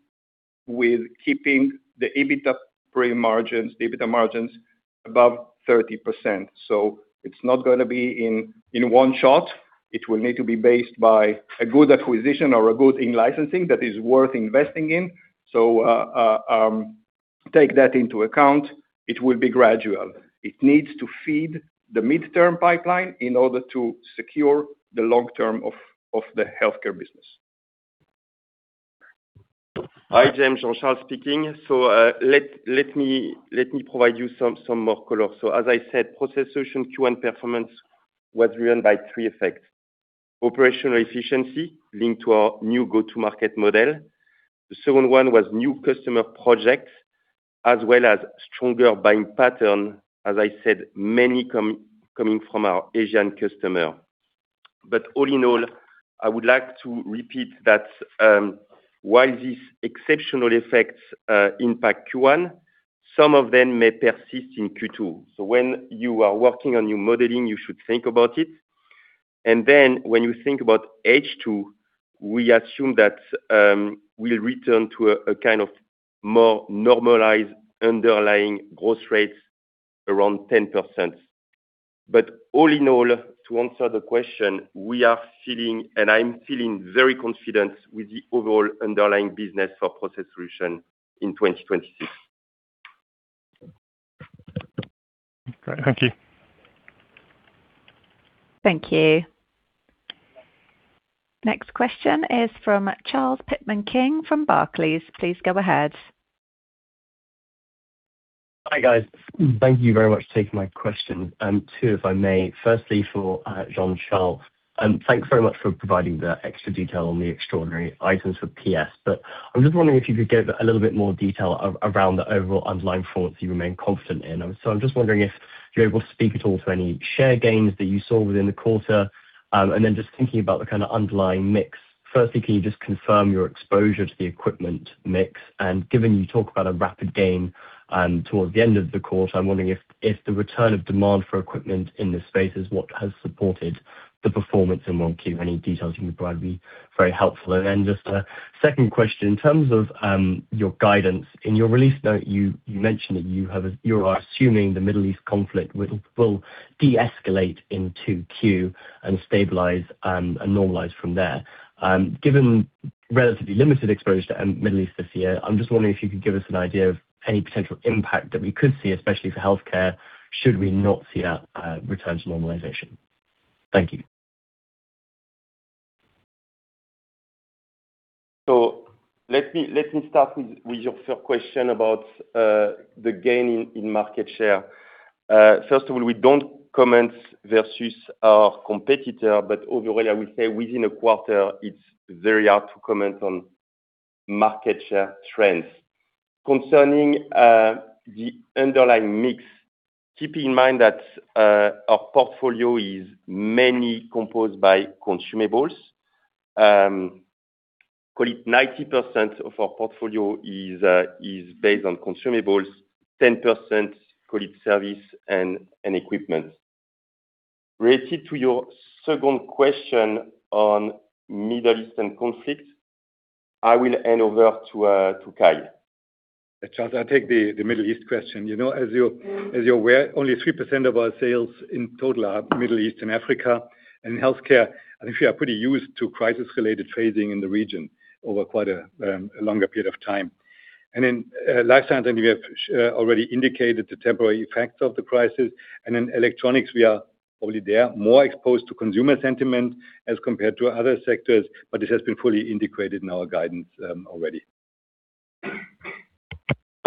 with keeping the EBITDA pre-margins, EBITDA margins above 30%. It's not going to be in one shot. It will need to be based by a good acquisition or a good in-licensing that is worth investing in. Take that into account. It will be gradual. It needs to feed the midterm pipeline in order to secure the long term of the healthcare business. Hi, James. Jean-Charles speaking. Let me provide you some more color. As I said, Process Solutions Q1 performance was driven by three effects. Operational efficiency linked to our new go-to-market model. The second one was new customer projects, as well as stronger buying pattern. As I said, many coming from our Asian customer. All in all, I would like to repeat that, while these exceptional effects impact Q1, some of them may persist in Q2. When you are working on your modeling, you should think about it. When you think about H2, we assume that we'll return to a kind of more normalized underlying growth rate around 10%. All in all, to answer the question, we are feeling and I'm feeling very confident with the overall underlying business for Process Solutions in 2026. Great. Thank you. Thank you. Next question is from Charles Pitman-King from Barclays. Please go ahead. Hi, guys. Thank you very much for taking my question. two, if I may. Firstly, for Jean-Charles, thanks very much for providing the extra detail on the extraordinary items for PS. I'm just wondering if you could give a little bit more detail around the overall underlying fronts you remain confident in. I'm just wondering if you're able to speak at all to any share gains that you saw within the quarter. Just thinking about the kinda underlying mix. Firstly, can you just confirm your exposure to the equipment mix? Given you talk about a rapid gain, towards the end of the quarter, I'm wondering if the return of demand for equipment in this space is what has supported the performance in 1Q. Any details you can provide would be very helpful. Just a second question. In terms of your guidance, in your release note, you mentioned that you are assuming the Middle East conflict will deescalate in 2Q and stabilize and normalize from there. Given relatively limited exposure to Middle East this year, I am just wondering if you could give us an idea of any potential impact that we could see, especially for healthcare, should we not see a return to normalization. Thank you. Let me start with your first question about the gain in market share. First of all, we don't comment versus our competitor, but overall, I will say within a quarter, it's very hard to comment on market share trends. Concerning the underlying mix, keep in mind that our portfolio is mainly composed by consumables. Call it 90% of our portfolio is based on consumables, 10% call it service and equipment. Related to your second question on Middle Eastern conflict, I will hand over to Kai. Charles, I'll take the Middle East question. You know, as you're aware, only 3% of our sales in total are Middle East and Africa. In healthcare, I think we are pretty used to crisis-related trading in the region over quite a longer period of time. In Life Science, I think we have already indicated the temporary effects of the crisis. In Electronics, we are probably there, more exposed to consumer sentiment as compared to other sectors, but it has been fully integrated in our guidance already.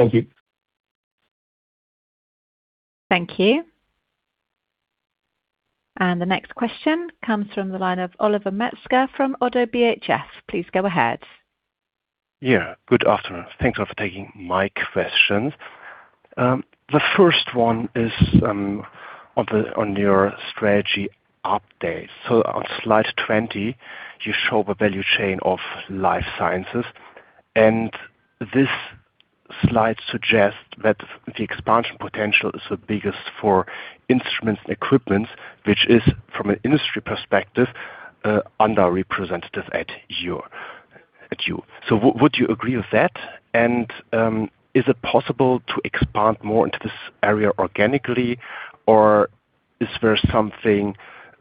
Thank you. Thank you. The next question comes from the line of Oliver Metzger from ODDO BHF. Please go ahead. Yeah, good afternoon. Thanks for taking my questions. The first one is on the, on your strategy update. On Slide 20, you show the value chain of life sciences, and this slide suggests that the expansion potential is the biggest for instruments and equipment, which is, from an industry perspective, underrepresented at you. Would you agree with that? Is it possible to expand more into this area organically, or is there something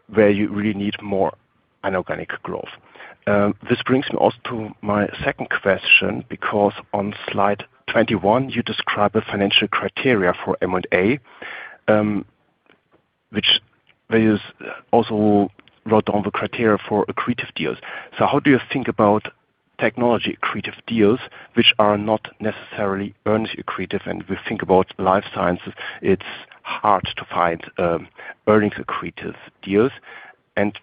where you really need more inorganic growth? This brings me also to my second question, because on Slide 21, you describe a financial criteria for M&A, which there is also wrote down the criteria for accretive deals. How do you think about technology accretive deals which are not necessarily earnings accretive? We think about life sciences, it's hard to find earnings accretive deals.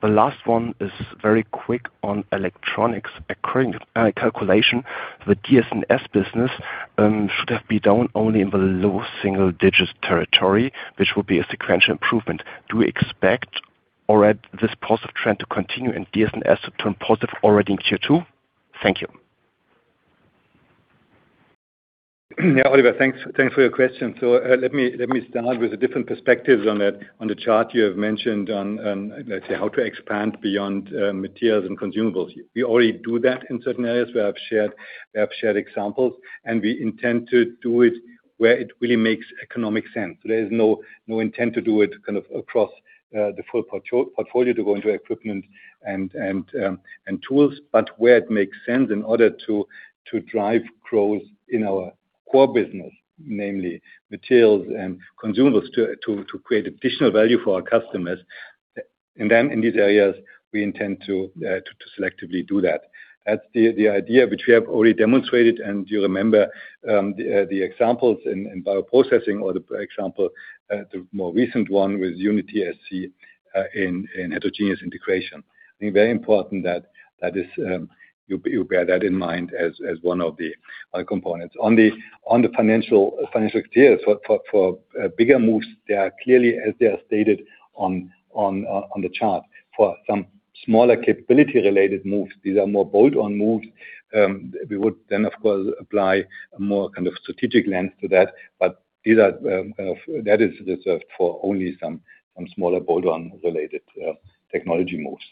The last one is very quick on Electronics. According calculation, the DS&S business should have been down only in the low single digits territory, which will be a sequential improvement. Do you expect or at this positive trend to continue in DS&S to turn positive already in Q2? Thank you. Oliver, thanks for your question. Let me start with the different perspectives on the chart you have mentioned on, let's say, how to expand beyond materials and consumables. We already do that in certain areas where we have shared examples, and we intend to do it where it really makes economic sense. There is no intent to do it kind of across the full portfolio to go into equipment and tools, but where it makes sense in order to drive growth in our core business, namely materials and consumables, to create additional value for our customers. In these areas, we intend to selectively do that. That's the idea which we have already demonstrated. You remember the examples in bioprocessing or the example, the more recent one with UnitySC in heterogeneous integration. I think very important that that is, you bear that in mind as one of the components. On the financial deals for bigger moves, they are clearly as they are stated on the chart. For some smaller capability related moves, these are more bolt-on moves. We would then, of course, apply a more kind of strategic lens to that. These are, that is reserved for only some smaller bolt-on related technology moves.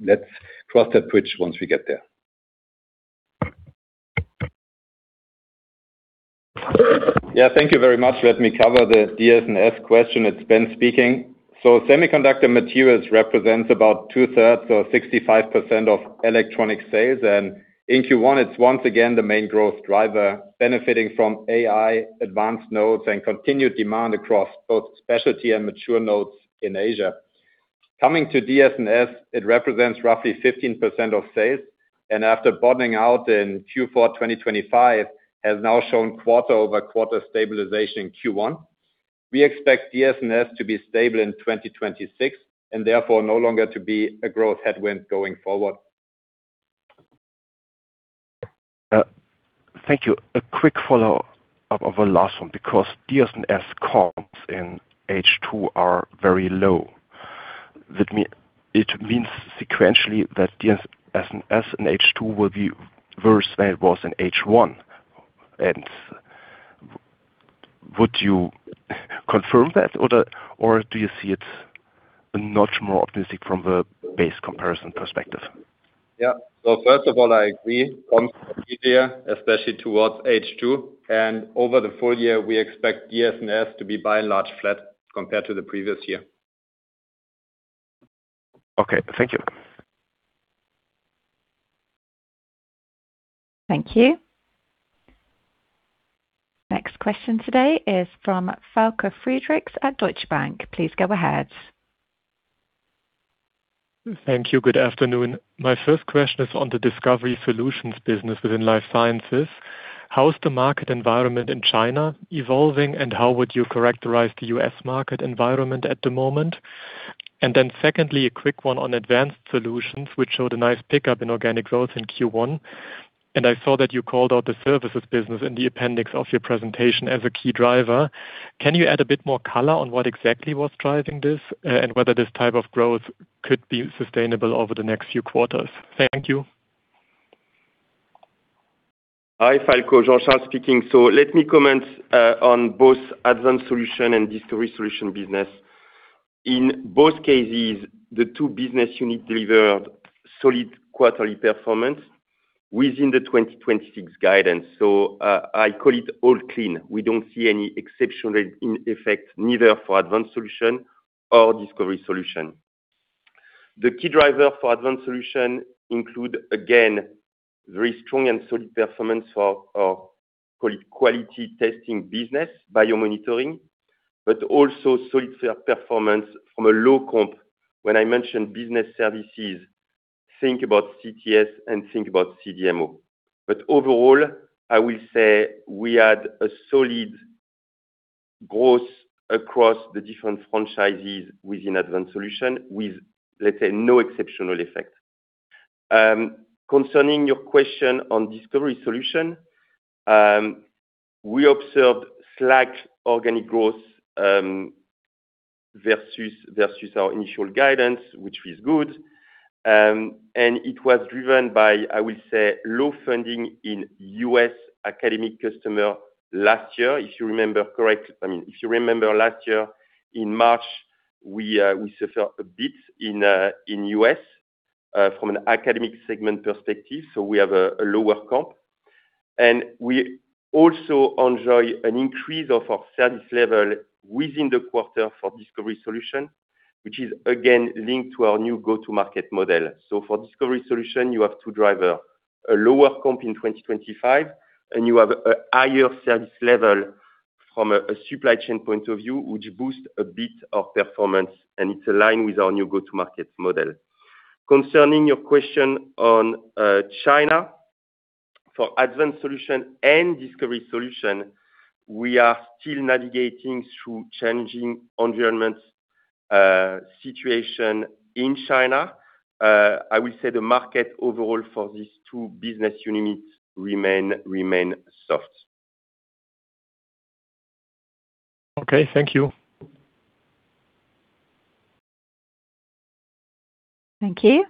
Let's cross that bridge once we get there. Yeah. Thank you very much. Let me cover the DS&S question. It's Ben speaking. Semiconductor materials represents about two-thirds or 65% of electronic sales. In Q1, it's once again the main growth driver benefiting from AI advanced nodes and continued demand across both specialty and mature nodes in Asia. Coming to DS&S, it represents roughly 15% of sales, and after bottoming out in Q4 2025, has now shown quarter-over-quarter stabilization Q1. We expect DS&S to be stable in 2026 and therefore no longer to be a growth headwind going forward. Thank you. A quick follow-up of our last one, because DS&S comps in H2 are very low. It means sequentially that DS&S in H2 will be worse than it was in H1. Would you confirm that or do you see it a notch more optimistic from the base comparison perspective? Yeah. First of all, I agree on especially towards H2 and over the full year we expect DS&S to be by and large flat compared to the previous year. Okay. Thank you. Thank you. Next question today is from Falko Friedrichs at Deutsche Bank. Please go ahead. Thank you. Good afternoon. My first question is on the Discovery Solutions business within Life Sciences. How is the market environment in China evolving, and how would you characterize the U.S. market environment at the moment? Secondly, a quick one on Advanced Solutions, which showed a nice pickup in organic growth in Q1. I saw that you called out the services business in the appendix of your presentation as a key driver. Can you add a bit more color on what exactly was driving this and whether this type of growth could be sustainable over the next few quarters? Thank you. Hi, Falko, Jean-Charles speaking. Let me comment on both Advanced Solution and Discovery Solutions business. In both cases, the two business units delivered solid quarterly performance within the 2026 guidance. I call it all clean. We don't see any exceptional in effect, neither for Advanced Solution nor Discovery Solution. The key drivers for Advanced Solution include, again, very strong and solid performance for our quality testing business, biomonitoring, but also solid fair performance from a low comp. When I mention business services, think about CTS and think about CDMO. Overall, I will say we had a solid growth across the different franchises within Advanced Solution with, let's say, no exceptional effect. Concerning your question on Discovery Solution, we observed slack organic growth versus our initial guidance, which is good. It was driven by, I will say, low funding in U.S. academic customer last year. If you remember last year in March, we suffer a bit in U.S. from an academic segment perspective, so we have a lower comp. We also enjoy an increase of our service level within the quarter for Discovery Solution, which is again linked to our new go-to-market model. For Discovery Solution, you have to drive a lower comp in 2025, and you have a higher service level from a supply chain point of view, which boost a bit of performance, and it's aligned with our new go-to-market model. Concerning your question on China, for Advanced Solution and Discovery Solution, we are still navigating through changing environment situation in China. I will say the market overall for these two business units remain soft. Okay. Thank you. Thank you.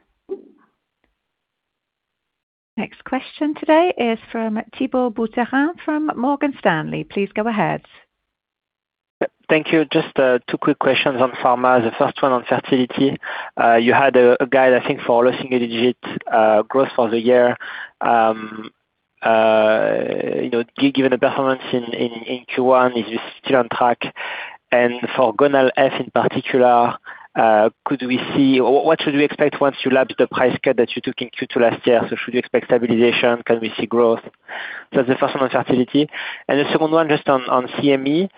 Next question today is from Thibault Boutherin from Morgan Stanley. Please go ahead. Thank you. Just two quick questions on pharma. The first one on fertility. You had a guide, I think, for low single-digit growth for the year. You know, given the performance in Q1, is this still on track? For GONAL-f in particular, what should we expect once you lap the price cut that you took in Q2 last year? Should we expect stabilization? Can we see growth? The first one on fertility. The second one just on CM&E.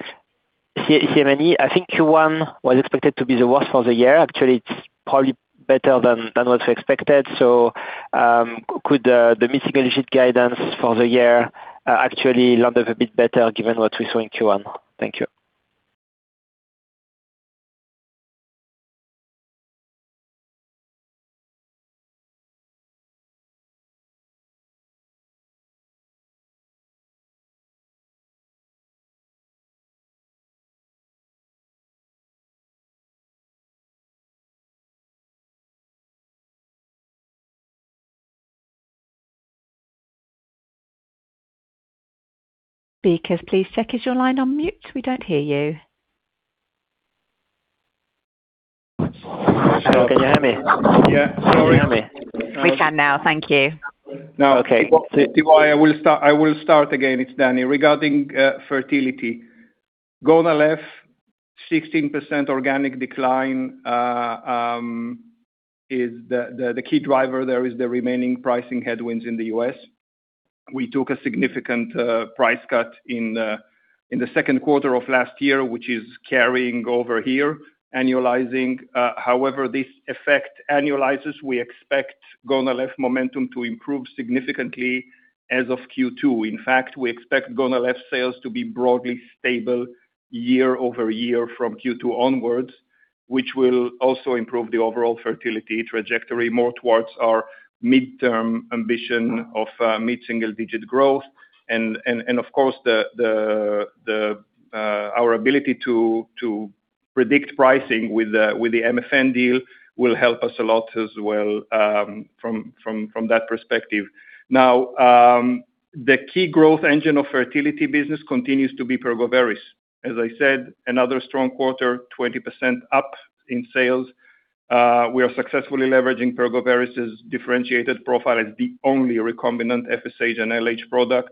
CM&E. I think Q1 was expected to be the worst for the year. Actually, it's probably better than what we expected. Could the mid-single-digit guidance for the year actually land up a bit better given what we saw in Q1? Thank you. Speakers, please check is your line on mute? We don't hear you. Can you hear me? Yeah. Sorry. Can you hear me? We can now. Thank you. I will start again. It's Danny. Regarding fertility, GONAL-f 16% organic decline. The key driver there is the remaining pricing headwinds in the U.S. We took a significant price cut in the second quarter of last year, which is carrying over here. However, this effect annualizes, we expect Gonal-F momentum to improve significantly as of Q2. In fact, we expect Gonal-F sales to be broadly stable year-over-year from Q2 onwards, which will also improve the overall fertility trajectory more towards our midterm ambition of mid-single digit growth. Of course, the our ability to predict pricing with the MFN deal will help us a lot as well from that perspective. Now, the key growth engine of fertility business continues to be Pergoveris. As I said, another strong quarter, 20% up in sales. We are successfully leveraging Pergoveris' differentiated profile as the only recombinant FSH and LH product.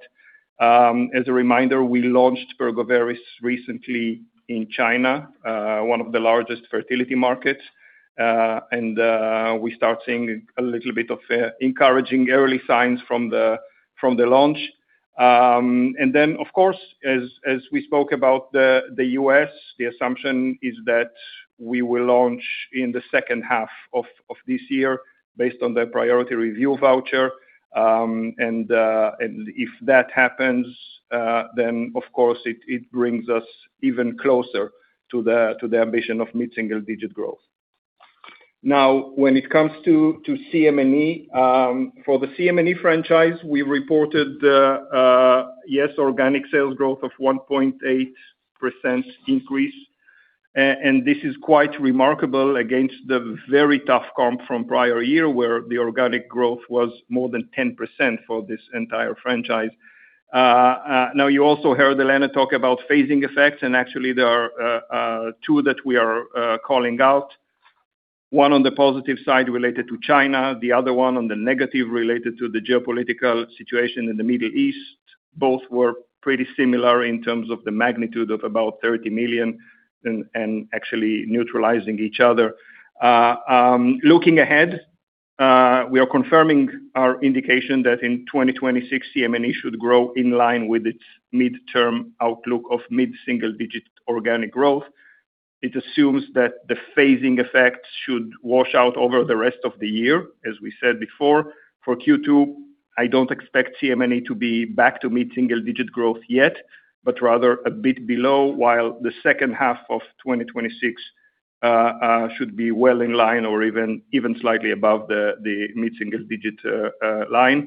As a reminder, we launched Pergoveris recently in China, one of the largest fertility markets. We start seeing a little bit of encouraging early signs from the launch. Of course, as we spoke about the U.S., the assumption is that we will launch in the second half of this year based on the priority review voucher. If that happens, of course, it brings us even closer to the ambition of mid-single digit growth. Now, when it comes to CM&E, for the CM&E franchise, we reported, yes, organic sales growth of 1.8% increase. This is quite remarkable against the very tough comp from prior year, where the organic growth was more than 10% for this entire franchise. You also heard Helene talk about phasing effects, actually there are two that we are calling out. One on the positive side related to China. The other one on the negative related to the geopolitical situation in the Middle East. Both were pretty similar in terms of the magnitude of about 30 million and actually neutralizing each other. Looking ahead, we are confirming our indication that in 2026 CM&E should grow in line with its midterm outlook of mid-single digit organic growth. It assumes that the phasing effect should wash out over the rest of the year, as we said before. For Q2, I don't expect CM&E to be back to mid-single digit growth yet, but rather a bit below, while the second half of 2026 should be well in line or even slightly above the mid-single digit line.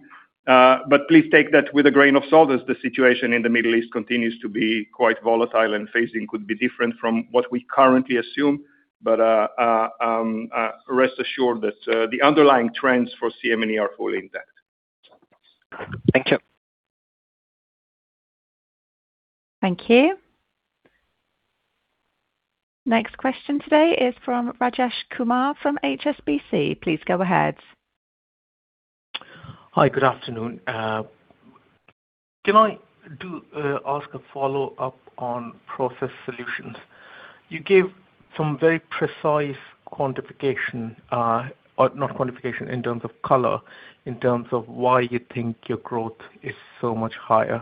Please take that with a grain of salt, as the situation in the Middle East continues to be quite volatile, and phasing could be different from what we currently assume. Rest assured that the underlying trends for CM&E are fully intact. Thank you. Thank you. Next question today is from Rajesh Kumar from HSBC. Please go ahead. Hi, good afternoon. Can I ask a follow-up on Process Solutions? You gave some very precise quantification or not quantification in terms of color, in terms of why you think your growth is so much higher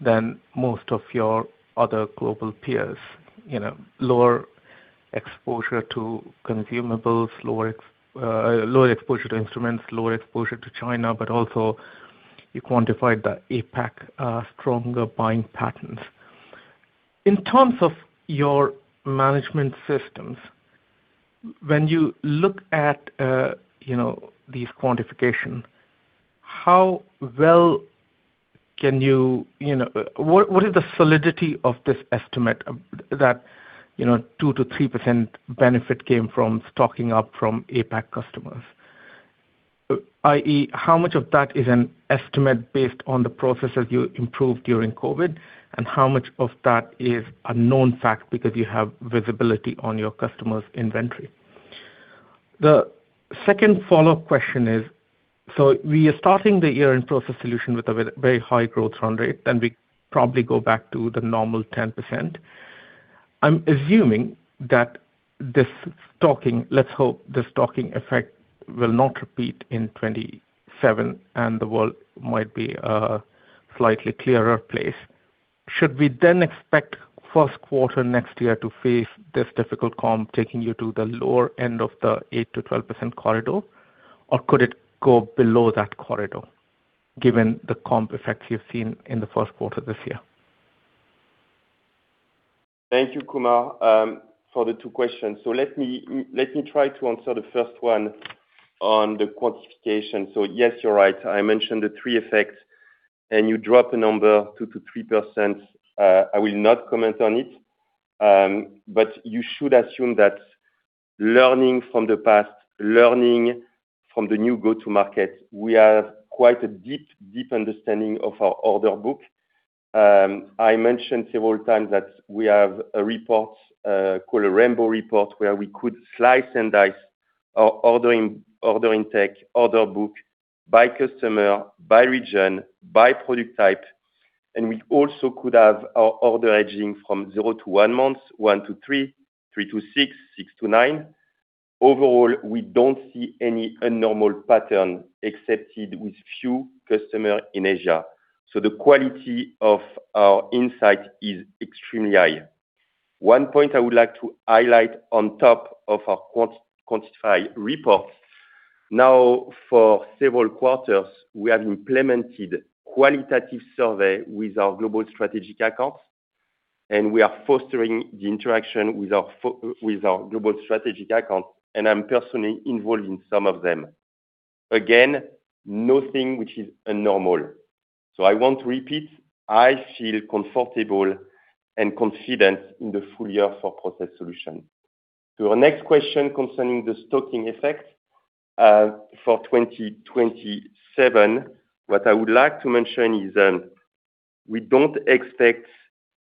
than most of your other global peers. You know, lower exposure to consumables, lower exposure to instruments, lower exposure to China, but also you quantified the APAC stronger buying patterns. In terms of your management systems, when you look at, you know, these quantification, how well can you know, what is the solidity of this estimate of that, you know, 2%-3% benefit came from stocking up from APAC customers? I.e., how much of that is an estimate based on the processes you improved during COVID, and how much of that is a known fact because you have visibility on your customers' inventory? The second follow-up question is, we are starting the year in Process Solutions with a very high growth run rate, then we probably go back to the normal 10%. I'm assuming that this stocking, let's hope the stocking effect will not repeat in 2027 and the world might be a slightly clearer place. Should we then expect first quarter next year to face this difficult comp taking you to the lower end of the 8%-12% corridor? Could it go below that corridor given the comp effects you've seen in the first quarter this year? Thank you, Kumar, for the two questions. Let me try to answer the first one on the quantification. Yes, you're right. I mentioned the three effects, and you drop a number 2%-3%. I will not comment on it. You should assume that learning from the past, learning from the new go-to-market, we have quite a deep understanding of our order book. I mentioned several times that we have a report, called a rainbow report, where we could slice and dice our ordering, order intake, order book by customer, by region, by product type. We also could have our order aging from xero to one month, one to three, three to six, six to nine. Overall, we don't see any abnormal pattern except with few customers in Asia. The quality of our insight is extremely high. One point I would like to highlight on top of our quantified report. For several quarters, we have implemented qualitative survey with our global strategic accounts, and we are fostering the interaction with our global strategic accounts, and I'm personally involved in some of them. Again, nothing which is abnormal. I want to repeat, I feel comfortable and confident in the full year for Process Solutions. To our next question concerning the stocking effect, for 2027, what I would like to mention is, we don't expect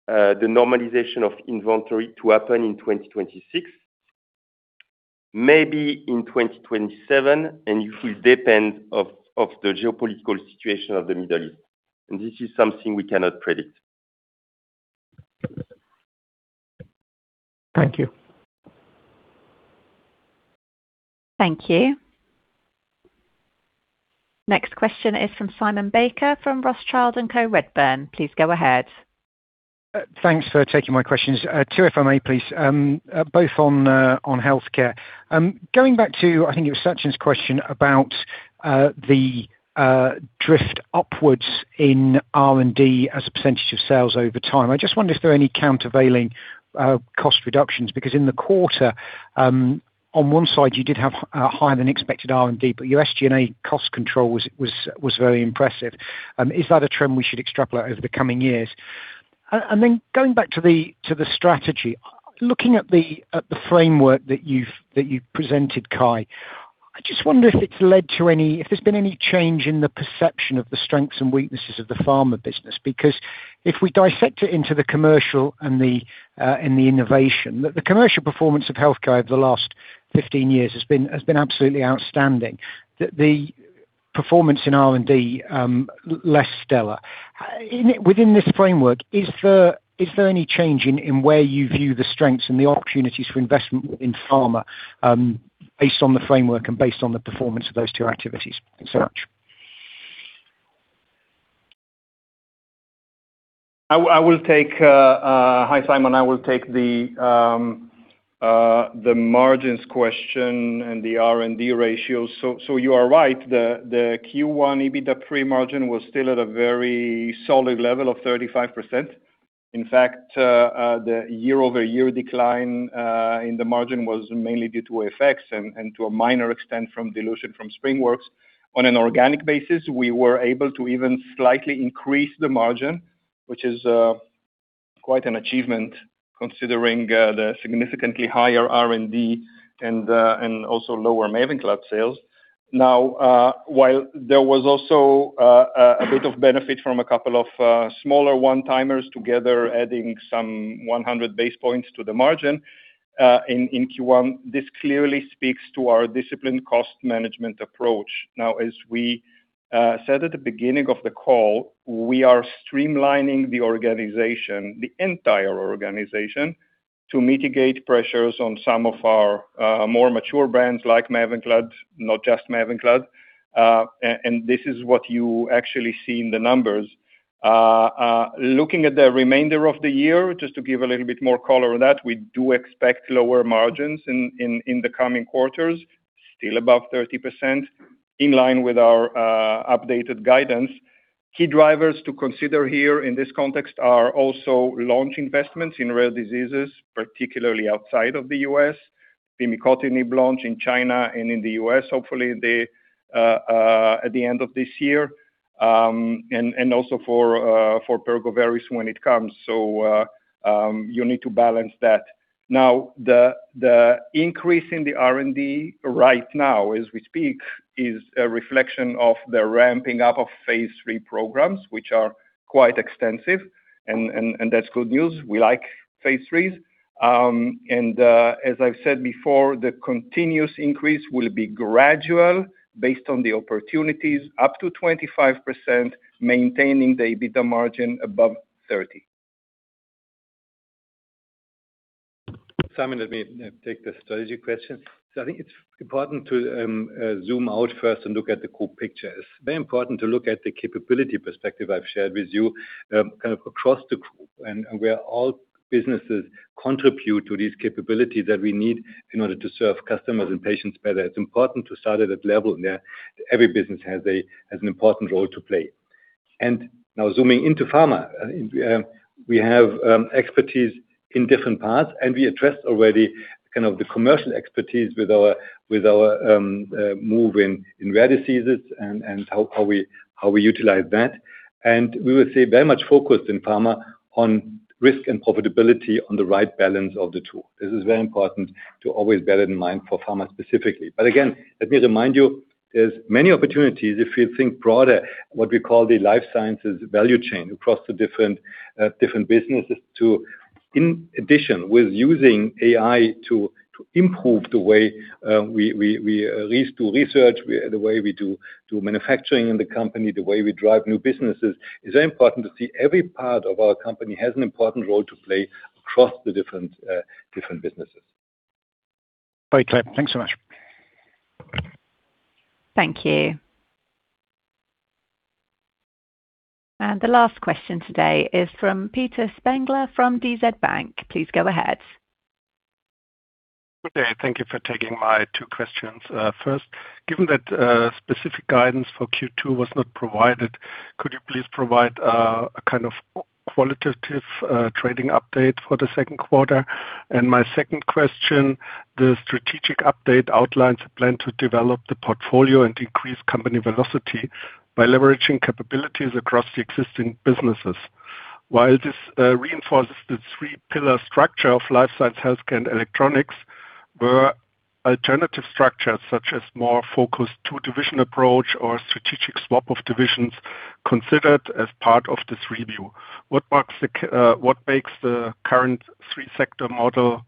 the normalization of inventory to happen in 2026. Maybe in 2027, it will depend of the geopolitical situation of the Middle East. This is something we cannot predict. Thank you. Thank you. Next question is from Simon Baker from Rothschild & Co Redburn. Please go ahead. Thanks for taking my questions. Two if I may please, both on healthcare. Going back to, I think it was Sachin's question about the drift upwards in R&D as a percentage of sales over time. I just wonder if there are any countervailing cost reductions, because in the quarter, on one side you did have a higher than expected R&D, but your SG&A cost control was very impressive. Is that a trend we should extrapolate over the coming years? Then going back to the strategy. Looking at the framework that you've presented, Kai, I just wonder if it's led to any if there's been any change in the perception of the strengths and weaknesses of the pharma business. If we dissect it into the commercial and the innovation, the commercial performance of healthcare over the last 15 years has been absolutely outstanding. The performance in R&D, less stellar. Within this framework, is there any change in where you view the strengths and the opportunities for investment within pharma, based on the framework and based on the performance of those two activities? Thanks so much. I will take Hi, Simon. I will take the margins question and the R&D ratio. You are right, the Q1 EBITDA pre-margin was still at a very solid level of 35%. In fact, the year-over-year decline in the margin was mainly due to FX and to a minor extent from dilution from SpringWorks. On an organic basis, we were able to even slightly increase the margin, which is quite an achievement considering the significantly higher R&D and also lower MAVENCLAD sales. While there was also a bit of benefit from a couple of smaller one-timers together adding some 100 basis points to the margin in Q1, this clearly speaks to our disciplined cost management approach. As we said at the beginning of the call, we are streamlining the organization, the entire organization, to mitigate pressures on some of our more mature brands like MAVENCLAD, not just MAVENCLAD. This is what you actually see in the numbers. Looking at the remainder of the year, just to give a little bit more color on that, we do expect lower margins in the coming quarters, still above 30%, in line with our updated guidance. Key drivers to consider here in this context are also launch investments in rare diseases, particularly outside of the U.S. pimicotinib launch in China and in the U.S., hopefully at the end of this year, and also for Pergoveris when it comes. You need to balance that. Now, the increase in the R&D right now as we speak is a reflection of the ramping up of phase III programs, which are quite extensive, and that's good news. We like phase IIIs. As I've said before, the continuous increase will be gradual based on the opportunities up to 25%, maintaining the EBITDA margin above 30%. Simon, let me take the strategy question. I think it's important to zoom out first and look at the group picture. It's very important to look at the capability perspective I've shared with you, kind of across the group and where all businesses contribute to these capabilities that we need in order to serve customers and patients better. It's important to start at that level, every business has an important role to play. Now zooming into pharma, we have expertise in different parts, and we addressed already kind of the commercial expertise with our move in rare diseases and how we utilize that. We will stay very much focused in pharma on risk and profitability on the right balance of the two. This is very important to always bear that in mind for pharma specifically. Again, let me remind you, there's many opportunities if you think broader, what we call the life sciences value chain across the different different businesses. In addition, with using AI to improve the way, we at least do research, the way we do manufacturing in the company, the way we drive new businesses, it's very important to see every part of our company has an important role to play across the different businesses. Great, Kai. Thanks so much. Thank you. The last question today is from Peter Spengler from DZ Bank. Please go ahead. Okay. Thank you for taking my two questions. First, given that specific guidance for Q2 was not provided, could you please provide a kind of qualitative trading update for the second quarter? My second question, the strategic update outlines a plan to develop the portfolio and increase company velocity by leveraging capabilities across the existing businesses. While this reinforces the three pillar structure of Life Science, Health, and Electronics, were alternative structures such as more focused two division approach or strategic swap of divisions considered as part of this review? What makes the current three sector model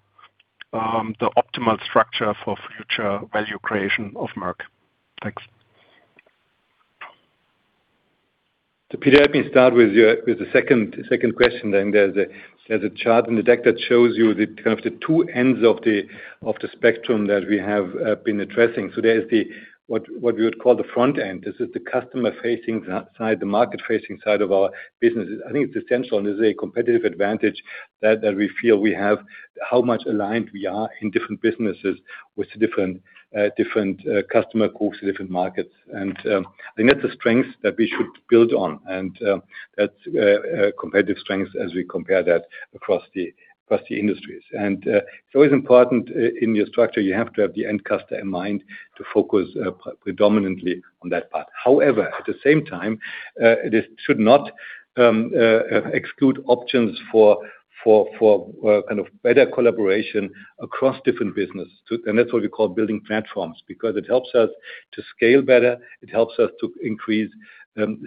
the optimal structure for future value creation of Merck? Thanks. Peter, let me start with your with the second question then. There's a chart in the deck that shows you the kind of the two ends of the spectrum that we have been addressing. This is what we would call the front end. This is the customer-facing side, the market-facing side of our businesses. I think it's essential and is a competitive advantage that we feel we have, how much aligned we are in different businesses with different customer groups, different markets. I think that's a strength that we should build on, and that's a competitive strength as we compare that across the industries. It's always important in your structure, you have to have the end customer in mind to focus predominantly on that part. At the same time, this should not exclude options for kind of better collaboration across different business. That's what we call building platforms, because it helps us to scale better, it helps us to increase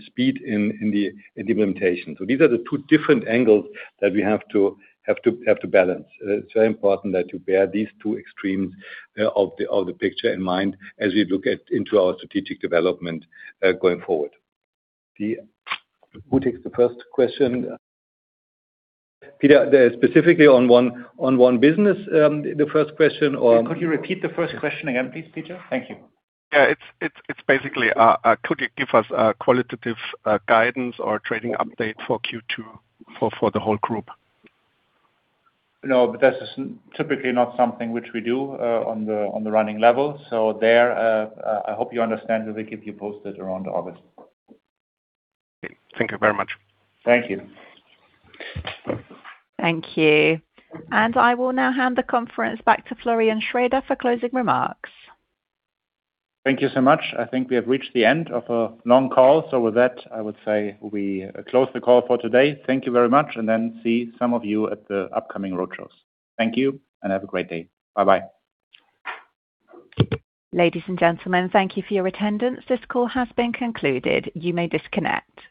speed in the implementation. These are the two different angles that we have to balance. It's very important that you bear these two extremes of the picture in mind as we look at into our strategic development going forward. Who takes the first question? Peter, specifically on one business. Could you repeat the first question again, please, Peter? Thank you. Yeah. It's basically, could you give us a qualitative guidance or trading update for Q2 for the whole group? No, that's typically not something which we do, on the, on the running level. There, I hope you understand that we keep you posted around August. Thank you very much. Thank you. Thank you. I will now hand the conference back to Florian Schroeher for closing remarks. Thank you so much. I think we have reached the end of a long call. With that, I would say we close the call for today. Thank you very much, and then see some of you at the upcoming roadshows. Thank you, and have a great day. Bye-bye. Ladies and gentlemen, thank you for your attendance. This call has been concluded. You may disconnect.